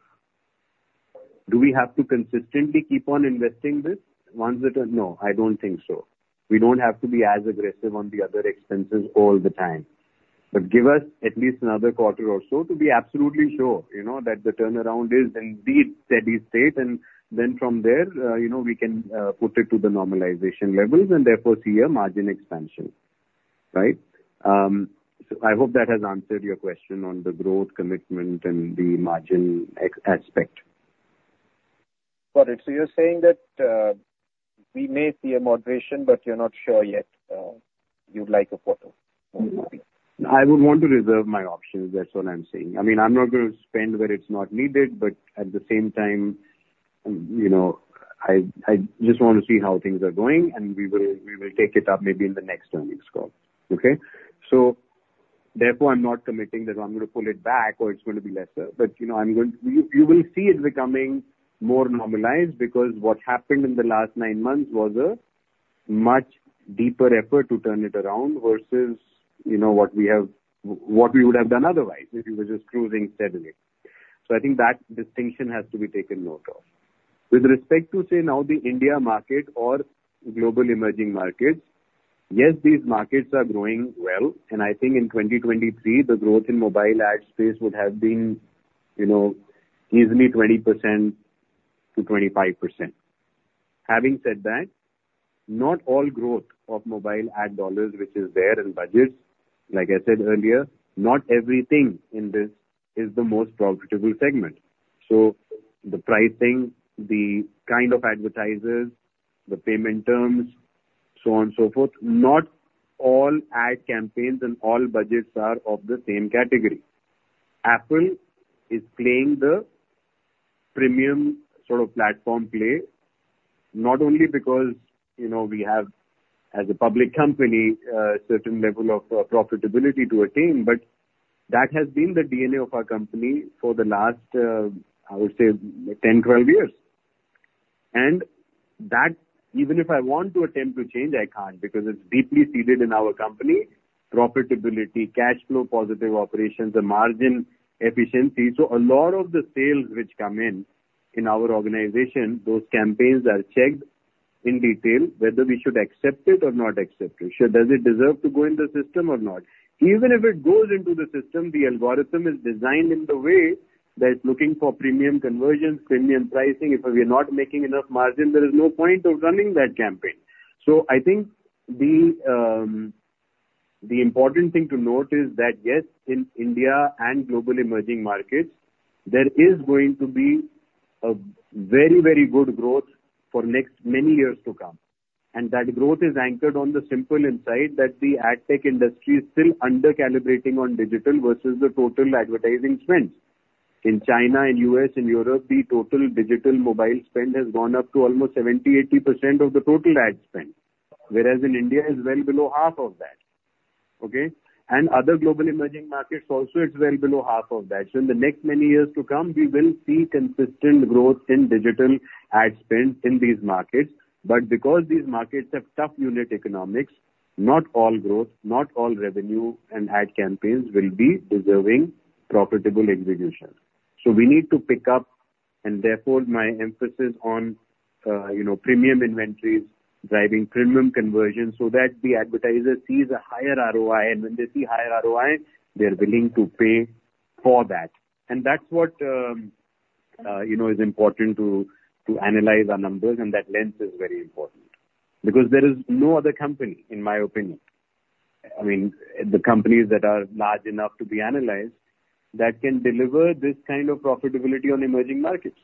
do we have to consistently keep on investing this once it... No, I don't think so. We don't have to be as aggressive on the other expenses all the time, but give us at least another quarter or so to be absolutely sure, you know, that the turnaround is indeed steady state, and then from there, you know, we can put it to the normalization levels and therefore see a margin expansion, right? So I hope that has answered your question on the growth commitment and the margin expansion aspect. Got it. So you're saying that, we may see a moderation, but you're not sure yet, you'd like a photo? I would want to reserve my options. That's all I'm saying. I mean, I'm not going to spend where it's not needed, but at the same time, you know, I just want to see how things are going, and we will take it up maybe in the next earnings call, okay? So therefore, I'm not committing that I'm going to pull it back or it's going to be lesser. But, you know, I'm going... You will see it becoming more normalized because what happened in the last nine months was a much deeper effort to turn it around versus, you know, what we have, what we would have done otherwise, if it was just cruising steadily. So I think that distinction has to be taken note of. With respect to, say, now, the India market or global emerging markets, yes, these markets are growing well, and I think in 2023, the growth in mobile ad space would have been, you know, easily 20%-25%. Having said that, not all growth of mobile ad dollars, which is there in budgets, like I said earlier, not everything in this is the most profitable segment. So the pricing, the kind of advertisers, the payment terms, so on and so forth, not all ad campaigns and all budgets are of the same category. Affle is playing the premium sort of platform play, not only because, you know, we have, as a public company, a certain level of profitability to attain, but that has been the DNA of our company for the last, I would say, 10-12 years. That, even if I want to attempt to change, I can't, because it's deeply seeded in our company: profitability, cash flow positive operations and margin efficiency. So a lot of the sales which come in in our organization, those campaigns are checked in detail, whether we should accept it or not accept it. So does it deserve to go in the system or not? Even if it goes into the system, the algorithm is designed in the way that it's looking for premium conversions, premium pricing. If we are not making enough margin, there is no point of running that campaign. So I think the important thing to note is that, yes, in India and global emerging markets, there is going to be a very, very good growth for next many years to come. And that growth is anchored on the simple insight that the ad tech industry is still under-calibrating on digital versus the total advertising spend. In China, in U.S., in Europe, the total digital mobile spend has gone up to almost 70%-80% of the total ad spend, whereas in India, it's well below half of that, okay? And other global emerging markets also, it's well below half of that. So in the next many years to come, we will see consistent growth in digital ad spend in these markets, but because these markets have tough unit economics, not all growth, not all revenue and ad campaigns will be deserving profitable execution. So we need to pick up, and therefore my emphasis on, you know, premium inventories driving premium conversion, so that the advertiser sees a higher ROI, and when they see higher ROI, they're willing to pay for that. And that's what, you know, is important to, to analyze our numbers, and that lens is very important. Because there is no other company, in my opinion, I mean, the companies that are large enough to be analyzed, that can deliver this kind of profitability on emerging markets.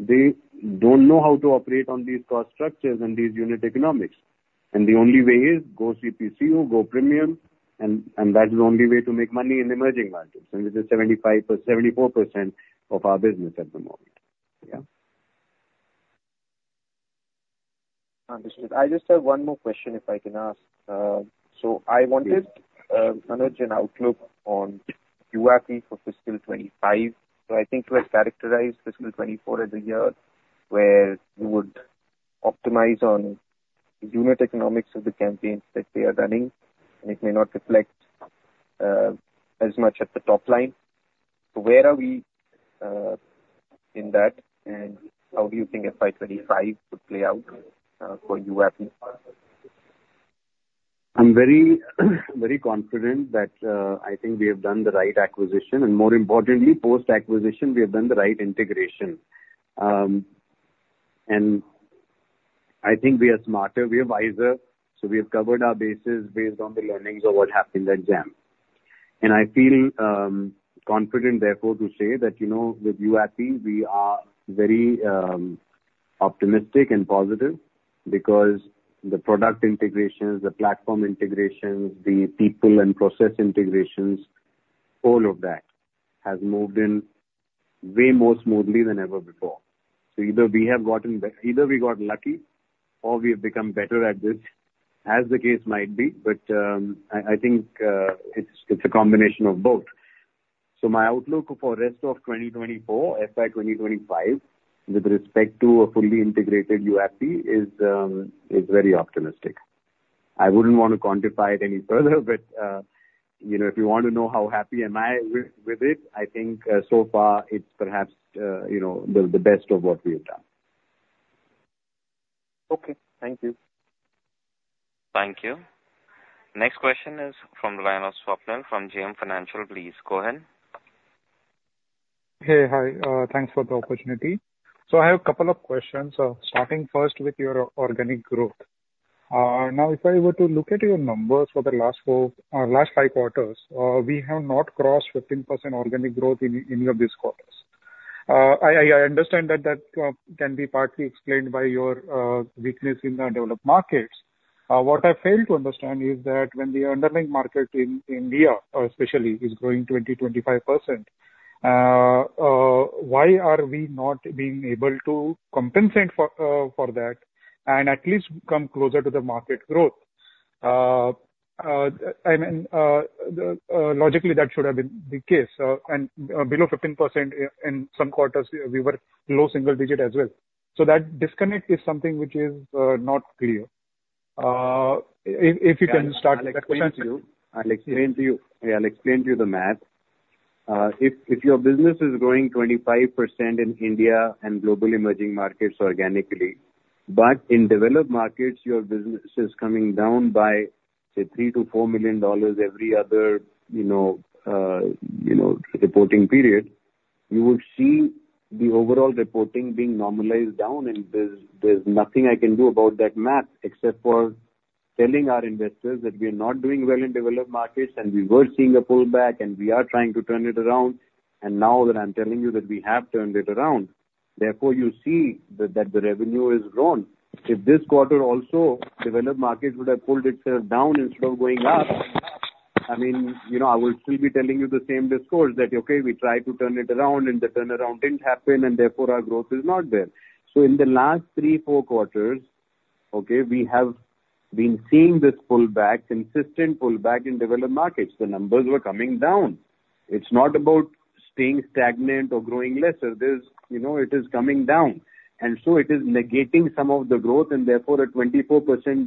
They don't know how to operate on these cost structures and these unit economics. And the only way is go CPCU, go premium, and, and that is the only way to make money in emerging markets, and this is 75%-74% of our business at the moment. Yeah. Understood. I just have one more question, if I can ask. I wanted, Anuj, an outlook on UAP for fiscal 2025. I think you had characterized fiscal 2024 as a year where you would optimize on unit economics of the campaigns that we are running, and it may not reflect as much at the top line. Where are we in that, and how do you think FY 2025 would play out for UAP? I'm very, very confident that, I think we have done the right acquisition, and more importantly, post-acquisition, we have done the right integration. And I think we are smarter, we are wiser, so we have covered our bases based on the learnings of what happened at Jampp. And I feel confident therefore to say that, you know, with UAP, we are very optimistic and positive, because the product integrations, the platform integrations, the people and process integrations, all of that has moved in way more smoothly than ever before. So either we got lucky or we have become better at this, as the case might be. But, I, I think, it's, it's a combination of both. So my outlook for rest of 2024, FY 2025, with respect to a fully integrated UAP is very optimistic. I wouldn't want to quantify it any further, but you know, if you want to know how happy am I with it, I think so far it's perhaps you know, the best of what we have done. Okay. Thank you. Thank you. Next question is from Swapnil from JM Financial. Please, go ahead. Hey. Hi, thanks for the opportunity. So I have a couple of questions, starting first with your organic growth. Now, if I were to look at your numbers for the last four, last five quarters, we have not crossed 15% organic growth in your business quarters. I understand that that can be partly explained by your weakness in the developed markets. What I fail to understand is that when the underlying market in India, especially, is growing 20%-25%, why are we not being able to compensate for that, and at least come closer to the market growth? I mean, logically, that should have been the case, and below 15% in some quarters we were low single digit as well. So that disconnect is something which is not clear. If you can start- I'll explain to you. I'll explain to you. Yeah, I'll explain to you the math. If, if your business is growing 25% in India and global emerging markets organically, but in developed markets your business is coming down by, say, $3 million-$4 million every other, you know, you know, reporting period, you will see the overall reporting being normalized down, and there's, there's nothing I can do about that math, except for telling our investors that we are not doing well in developed markets, and we were seeing a pullback, and we are trying to turn it around. And now that I'm telling you that we have turned it around, therefore you see that, that the revenue has grown. If this quarter also, developed markets would have pulled itself down instead of going up, I mean, you know, I will still be telling you the same discourse that, okay, we tried to turn it around and the turnaround didn't happen, and therefore our growth is not there. So in the last three-four quarters, okay, we have been seeing this pullback, consistent pullback in developed markets. The numbers were coming down. It's not about staying stagnant or growing lesser. There's... You know, it is coming down, and so it is negating some of the growth, and therefore a 24%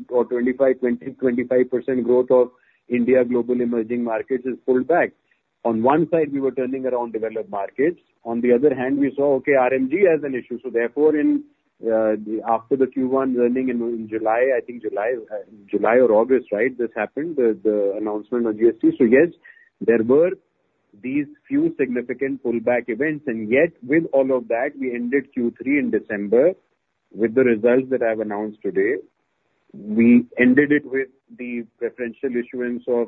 or 25%, 20%, 25% growth of India global emerging markets is pulled back. On one side, we were turning around developed markets. On the other hand, we saw, okay, RMG has an issue, so therefore in, after the Q1 earning in, in July, I think July or August, right? This happened, the announcement of GST. So yes, there were these few significant pullback events, and yet with all of that, we ended Q3 in December with the results that I've announced today. We ended it with the preferential issuance of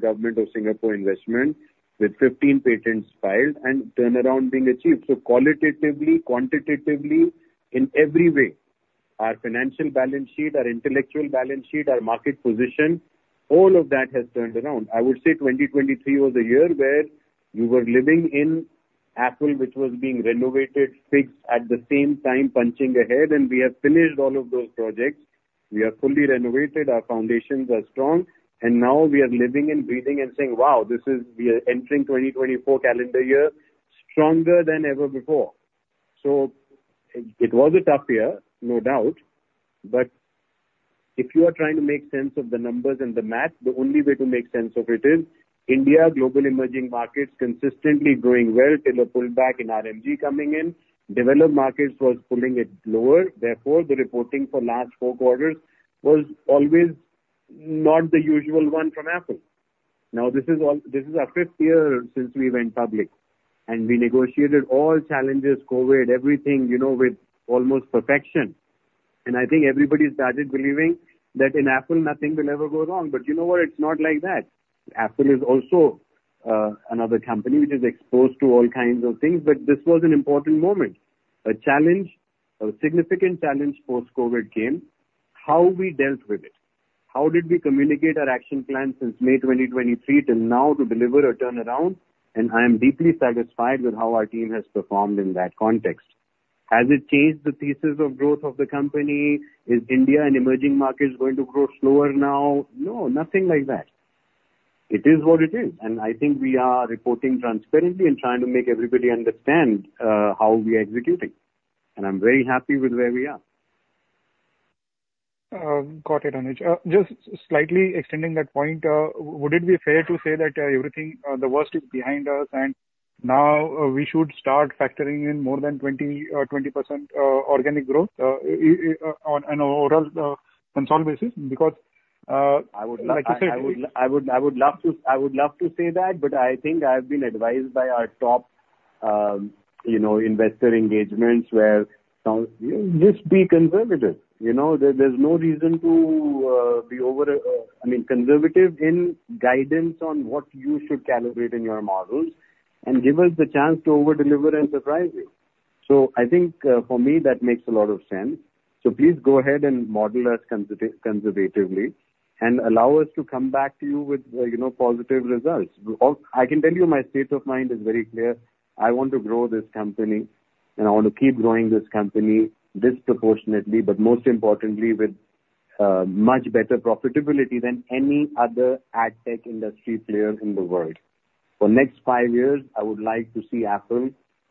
Government of Singapore investment, with 15 patents filed and turnaround being achieved. So qualitatively, quantitatively, in every way, our financial balance sheet, our intellectual balance sheet, our market position, all of that has turned around. I would say 2023 was a year where we were living in Apple, which was being renovated, fixed, at the same time punching ahead, and we have finished all of those projects. We are fully renovated, our foundations are strong, and now we are living and breathing and saying: Wow, this is - we are entering 2024 calendar year stronger than ever before. So it, it was a tough year, no doubt, but if you are trying to make sense of the numbers and the math, the only way to make sense of it is India global emerging markets consistently growing well till a pullback in RMG coming in. Developed markets was pulling it lower, therefore, the reporting for last four quarters was always not the usual one from Affle. Now, this is all. This is our fifth year since we went public, and we negotiated all challenges, COVID, everything, you know, with almost perfection. And I think everybody started believing that in Affle, nothing will ever go wrong. But you know what? It's not like that. Apple is also another company which is exposed to all kinds of things, but this was an important moment, a challenge, a significant challenge, post-COVID came. How we dealt with it, how did we communicate our action plan since May 2023 till now to deliver a turnaround, and I am deeply satisfied with how our team has performed in that context. Has it changed the thesis of growth of the company? Is India and emerging markets going to grow slower now? No, nothing like that. It is what it is, and I think we are reporting transparently and trying to make everybody understand how we are executing, and I'm very happy with where we are. Got it, Anmol. Just slightly extending that point, would it be fair to say that everything, the worst, is behind us, and now we should start factoring in more than 20% organic growth on an overall consolidated basis? Because- I would- Like you said- I would love to say that, but I think I've been advised by our top, you know, investor engagements where some... Just be conservative. You know, there's no reason to be over, I mean, conservative in guidance on what you should calibrate in your models, and give us the chance to over-deliver and surprise you.... So I think, for me, that makes a lot of sense. So please go ahead and model us conservatively, and allow us to come back to you with, you know, positive results. I can tell you my state of mind is very clear. I want to grow this company, and I want to keep growing this company disproportionately, but most importantly with much better profitability than any other ad tech industry player in the world. For next five years, I would like to see Apple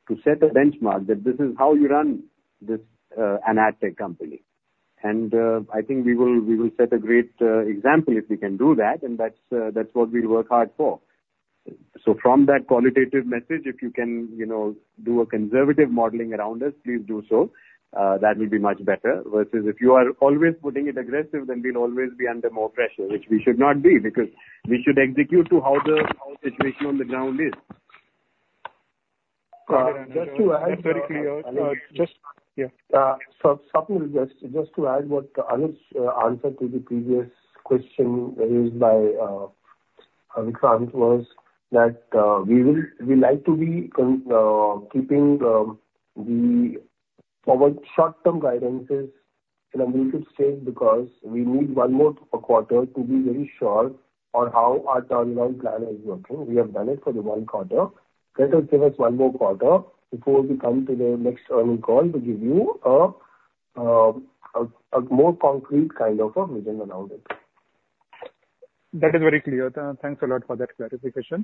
to set a benchmark that this is how you run this, an ad tech company. And, I think we will, we will set a great, example if we can do that, and that's, that's what we'll work hard for. So from that qualitative message, if you can, you know, do a conservative modeling around us, please do so. That will be much better, versus if you are always putting it aggressive, then we'll always be under more pressure, which we should not be, because we should execute to how the, how the situation on the ground is. Just to add- That's very clear. Just, yeah. So, to supplement, just to add what Anuj answered to the previous question raised by Vikrant, was that we will. We like to be keeping the forward short-term guidances in a muted state, because we need one more quarter to be very sure on how our turnaround plan is working. We have done it for the one quarter. Let us give us one more quarter before we come to the next earning call to give you a a more concrete kind of a vision around it. That is very clear. Thanks a lot for that clarification.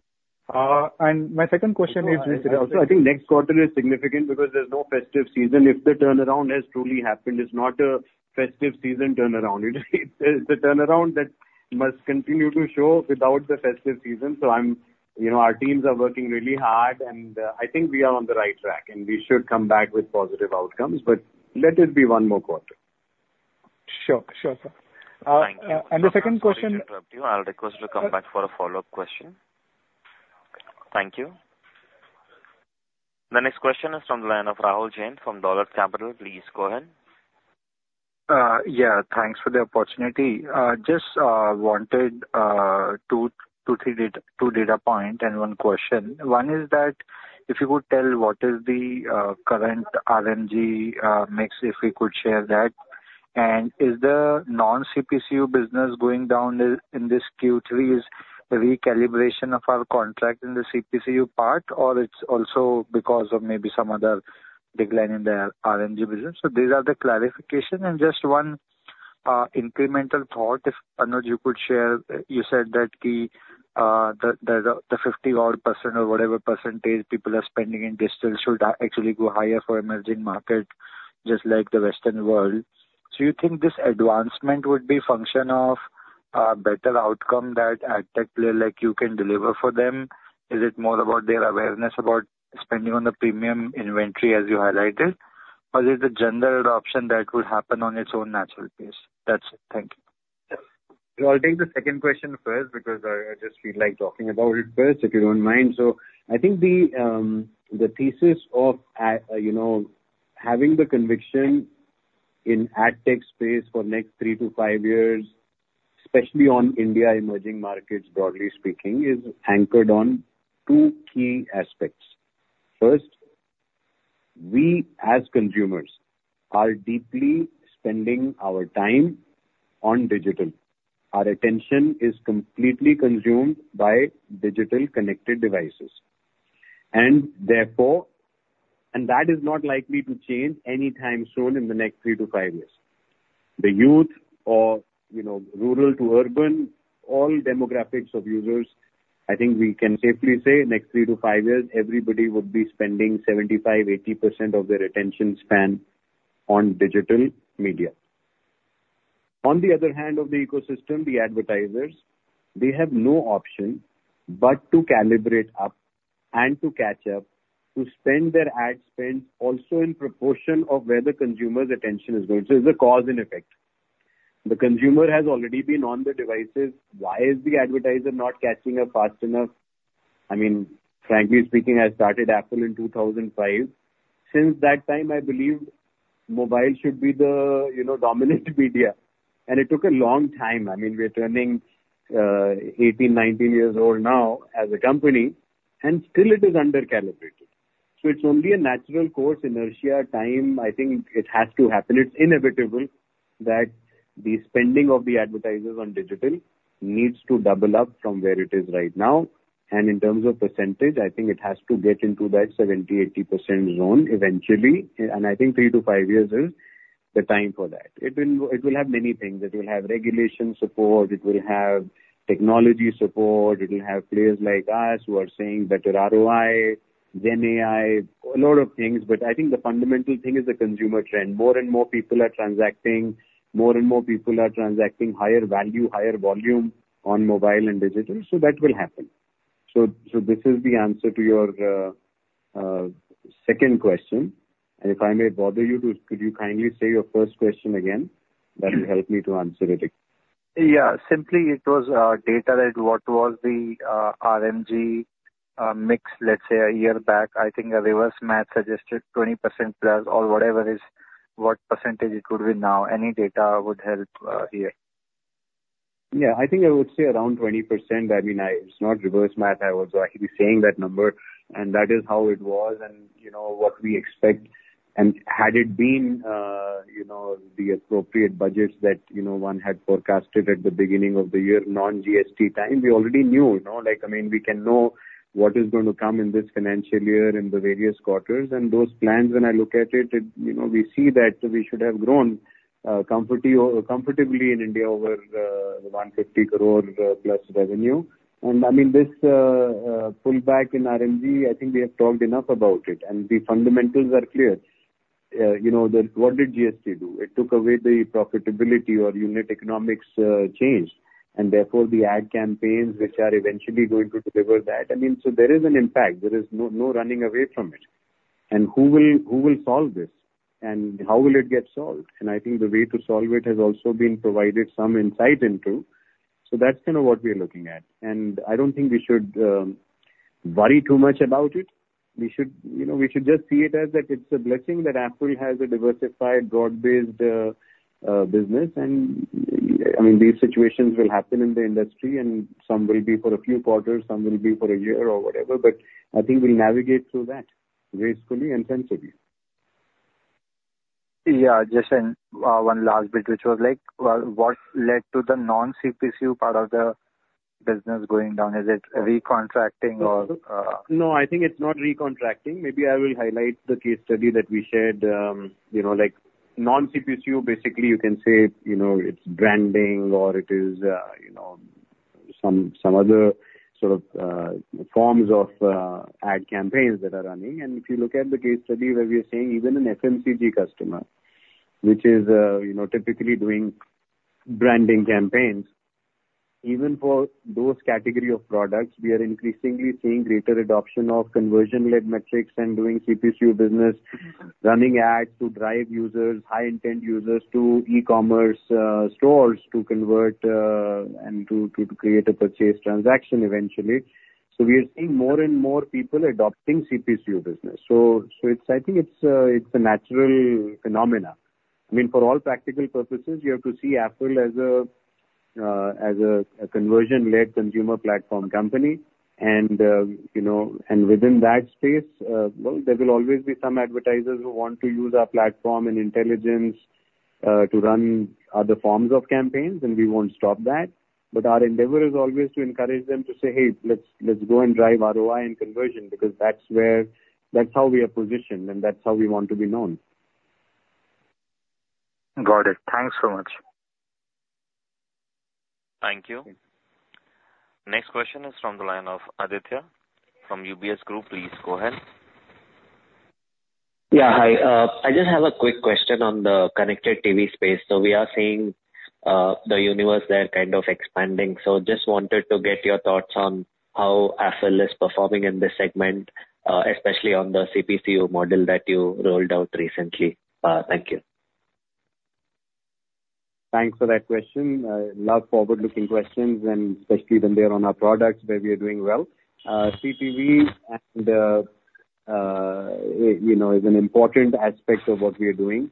And my second question is- Also, I think next quarter is significant because there's no festive season. If the turnaround has truly happened, it's not a festive season turnaround. It is a turnaround that must continue to show without the festive season. So I'm, you know, our teams are working really hard, and I think we are on the right track, and we should come back with positive outcomes. But let it be one more quarter. Sure. Sure, sir. Thank you. The second question- Sorry to interrupt you. I'll request you to come back for a follow-up question. Thank you. The next question is from the line of Rahul Jain from Dolat Capital. Please go ahead. Yeah, thanks for the opportunity. Just wanted two data points and one question. One is that, if you could tell what is the current RMG mix, if we could share that? And is the non-CPCU business going down in this Q3? Is a recalibration of our contract in the CPCU part, or it's also because of maybe some other decline in the RMG business? So these are the clarifications. And just one incremental thought, if Anuj, you could share. You said that the 50-odd% or whatever percentage people are spending in digital should actually go higher for emerging market, just like the Western world. So you think this advancement would be a function of a better outcome that ad tech player like you can deliver for them? Is it more about their awareness about spending on the premium inventory, as you highlighted? Or is it a general adoption that could happen on its own natural pace? That's it. Thank you. So I'll take the second question first, because I, I just feel like talking about it first, if you don't mind. So I think the thesis of, you know, having the conviction in ad tech space for next three-five years, especially on India emerging markets, broadly speaking, is anchored on two key aspects. First, we, as consumers, are deeply spending our time on digital. Our attention is completely consumed by digital-connected devices, and therefore... And that is not likely to change anytime soon in the next three-five years. The youth or, you know, rural to urban, all demographics of users, I think we can safely say in next three-five years, everybody would be spending 75%-80% of their attention span on digital media. On the other hand of the ecosystem, the advertisers, they have no option but to calibrate up and to catch up, to spend their ad spend also in proportion of where the consumer's attention is going. So it's a cause and effect. The consumer has already been on the devices. Why is the advertiser not catching up fast enough? I mean, frankly speaking, I started Affle in 2005. Since that time, I believe mobile should be the, you know, dominant media. And it took a long time. I mean, we're turning 18, 19 years old now as a company, and still it is under-calibrated. So it's only a natural course, inertia, time. I think it has to happen. It's inevitable that the spending of the advertisers on digital needs to double up from where it is right now. In terms of percentage, I think it has to get into that 70%-80% zone eventually, and I think three-five years is the time for that. It will have many things. It will have regulation support, it will have technology support, it will have players like us who are seeing better ROI, GenAI, a lot of things, but I think the fundamental thing is the consumer trend. More and more people are transacting, more and more people are transacting higher value, higher volume on mobile and digital, so that will happen. So this is the answer to your second question, and if I may bother you, could you kindly say your first question again? That will help me to answer it. Yeah. Simply it was, data, that what was the, RMG, mix, let's say, a year back? I think a reverse math suggested 20% plus or whatever is, what percentage it could be now. Any data would help here. Yeah, I think I would say around 20%. I mean, I, it's not reverse math. I was actually saying that number, and that is how it was, and, you know, what we expect. And had it been, you know, the appropriate budgets that, you know, one had forecasted at the beginning of the year, non-GST time, we already knew, you know. Like, I mean, we can know what is going to come in this financial year in the various quarters, and those plans, when I look at it, it, you know, we see that we should have grown, comfortably in India over 150 crore plus revenue. And I mean, this, pullback in RMG, I think we have talked enough about it, and the fundamentals are clear. You know, the, what did GST do? It took away the profitability or unit economics, changed, and therefore the ad campaigns, which are eventually going to deliver that. I mean, so there is an impact. There is no, no running away from it. And who will, who will solve this? And how will it get solved? And I think the way to solve it has also been provided some insight into. So that's kind of what we are looking at, and I don't think we should worry too much about it. We should, you know, we should just see it as that it's a blessing that Affle has a diversified, broad-based business, and I mean, these situations will happen in the industry, and some will be for a few quarters, some will be for a year or whatever, but I think we'll navigate through that gracefully and sensibly. Yeah, just, and, one last bit, which was like, well, what led to the non-CPCU part of the business going down? Is it re-contracting or, No, I think it's not re-contracting. Maybe I will highlight the case study that we shared. You know, like, non-CPCU, basically you can say, you know, it's branding or it is, you know, some other sort of forms of ad campaigns that are running. And if you look at the case study where we are saying even an FMCG customer, which is, you know, typically doing branding campaigns, even for those category of products, we are increasingly seeing greater adoption of conversion-led metrics and doing CPCU business, running ads to drive users, high-intent users to e-commerce stores, to convert and to create a purchase transaction eventually. So we are seeing more and more people adopting CPCU business. So it's, I think it's a natural phenomenon. I mean, for all practical purposes, you have to see Affle as a, as a, a conversion-led consumer platform company. And, you know, and within that space, well, there will always be some advertisers who want to use our platform and intelligence, to run other forms of campaigns, and we won't stop that. But our endeavor is always to encourage them to say, "Hey, let's, let's go and drive ROI and conversion," because that's where, that's how we are positioned and that's how we want to be known. Got it. Thanks so much. Thank you. Next question is from the line of Aditya from UBS Group. Please go ahead. Yeah, hi. I just have a quick question on the connected TV space. So we are seeing the universe there kind of expanding. So just wanted to get your thoughts on how Affle is performing in this segment, especially on the CPCU model that you rolled out recently. Thank you. Thanks for that question. Love forward-looking questions, and especially when they're on our products, where we are doing well. CTV and, you know, is an important aspect of what we are doing,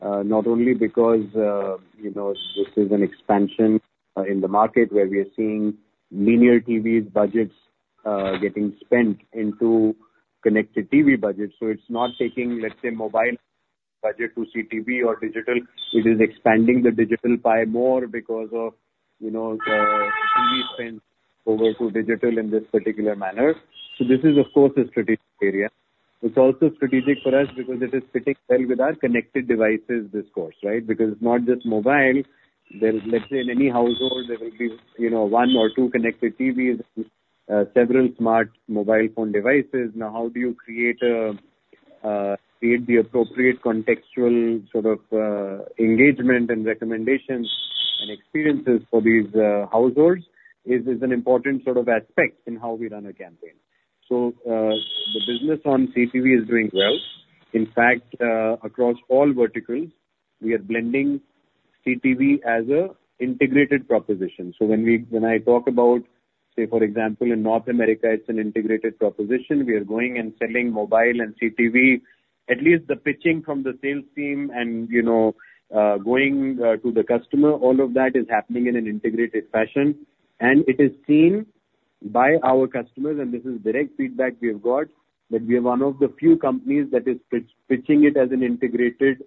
not only because, you know, this is an expansion in the market where we are seeing linear TV budgets getting spent into connected TV budgets. So it's not taking, let's say, mobile budget to CTV or digital. It is expanding the digital pie more because of, you know, TV spends over to digital in this particular manner. So this is of course, a strategic area. It's also strategic for us because it is fitting well with our connected devices discourse, right? Because it's not just mobile. There is, let's say in any household, there will be, you know, one or two connected TVs, several smart mobile phone devices. Now, how do you create the appropriate contextual sort of engagement and recommendations and experiences for these households, is an important sort of aspect in how we run a campaign. So, the business on CTV is doing well. In fact, across all verticals, we are blending CTV as an integrated proposition. So when I talk about, say, for example, in North America, it's an integrated proposition. We are going and selling mobile and CTV. At least the pitching from the sales team and, you know, going to the customer, all of that is happening in an integrated fashion, and it is seen by our customers, and this is direct feedback we have got, that we are one of the few companies that is pitching it as an integrated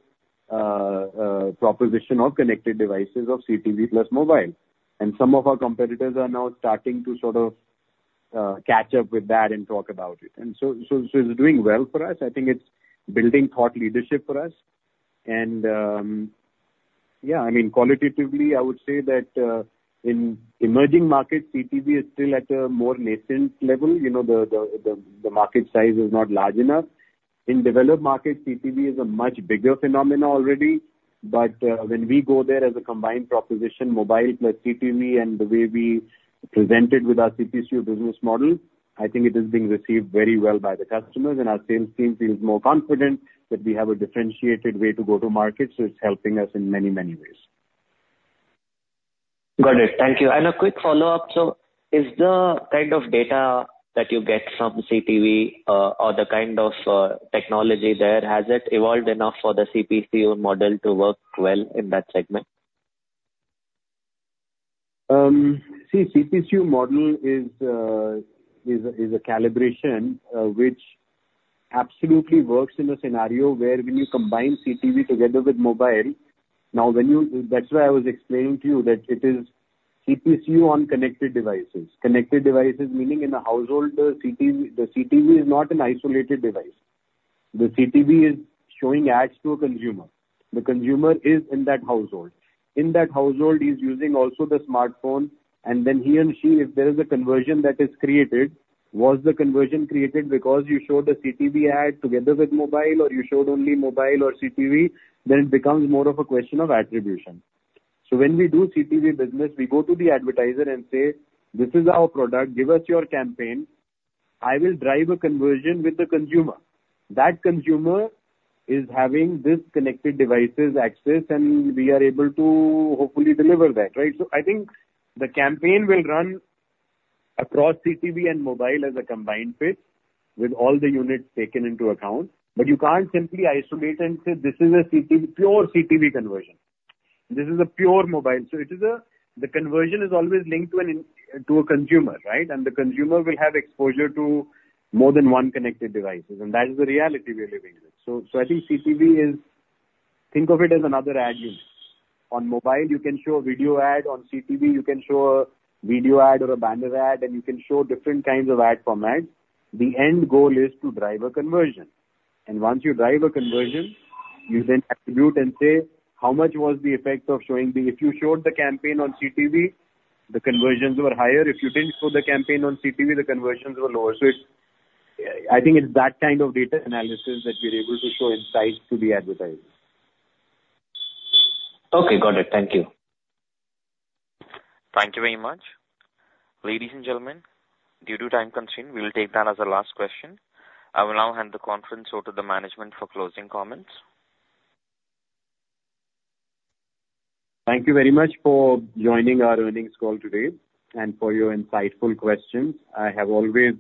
proposition of connected devices of CTV plus mobile. And some of our competitors are now starting to sort of catch up with that and talk about it. And so it's doing well for us. I think it's building thought leadership for us. And yeah, I mean, qualitatively, I would say that in emerging markets, CTV is still at a more nascent level. You know, the market size is not large enough. In developed markets, CTV is a much bigger phenomenon already, but when we go there as a combined proposition, mobile plus CTV, and the way we present it with our CPCU business model, I think it is being received very well by the customers, and our sales team feels more confident that we have a differentiated way to go to market. So it's helping us in many, many ways. Got it. Thank you. And a quick follow-up. Is the kind of data that you get from CTV, or the kind of technology there, has it evolved enough for the CPC model to work well in that segment? See, CPC model is a calibration which absolutely works in a scenario where when you combine CTV together with mobile. Now when you. That's why I was explaining to you that it is CPC on connected devices. Connected devices, meaning in a household, the CTV, the CTV is not an isolated device. The CTV is showing ads to a consumer. The consumer is in that household. In that household, he's using also the smartphone, and then he and she, if there is a conversion that is created, was the conversion created because you showed a CTV ad together with mobile, or you showed only mobile or CTV? Then it becomes more of a question of attribution. So when we do CTV business, we go to the advertiser and say, "This is our product. Give us your campaign. I will drive a conversion with the consumer." That consumer is having this connected devices access, and we are able to hopefully deliver that, right? So I think the campaign will run across CTV and mobile as a combined fit with all the units taken into account, but you can't simply isolate and say, "This is a CTV, pure CTV conversion. This is a pure mobile..." So it is. The conversion is always linked to a consumer, right? And the consumer will have exposure to more than one connected devices, and that is the reality we are living with. So I think CTV is, think of it as another ad unit. On mobile, you can show a video ad. On CTV, you can show a video ad or a banner ad, and you can show different kinds of ad formats. The end goal is to drive a conversion, and once you drive a conversion, you then attribute and say, how much was the effect of showing the... If you showed the campaign on CTV, the conversions were higher. If you didn't show the campaign on CTV, the conversions were lower. So it's, I think it's that kind of data analysis that we're able to show insights to the advertiser. Okay, got it. Thank you. Thank you very much. Ladies and gentlemen, due to time constraint, we'll take that as a last question. I will now hand the conference over to the management for closing comments. Thank you very much for joining our earnings call today and for your insightful questions. I have always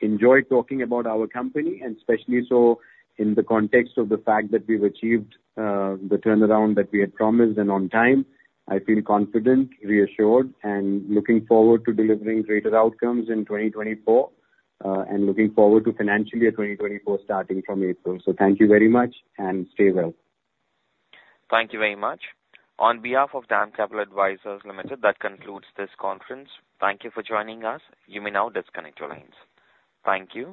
enjoyed talking about our company and especially so in the context of the fact that we've achieved the turnaround that we had promised and on time. I feel confident, reassured, and looking forward to delivering greater outcomes in 2024, and looking forward to financial year 2024, starting from April. So thank you very much, and stay well. Thank you very much. On behalf of DAM Capital Advisors Limited, that concludes this conference. Thank you for joining us. You may now disconnect your lines. Thank you.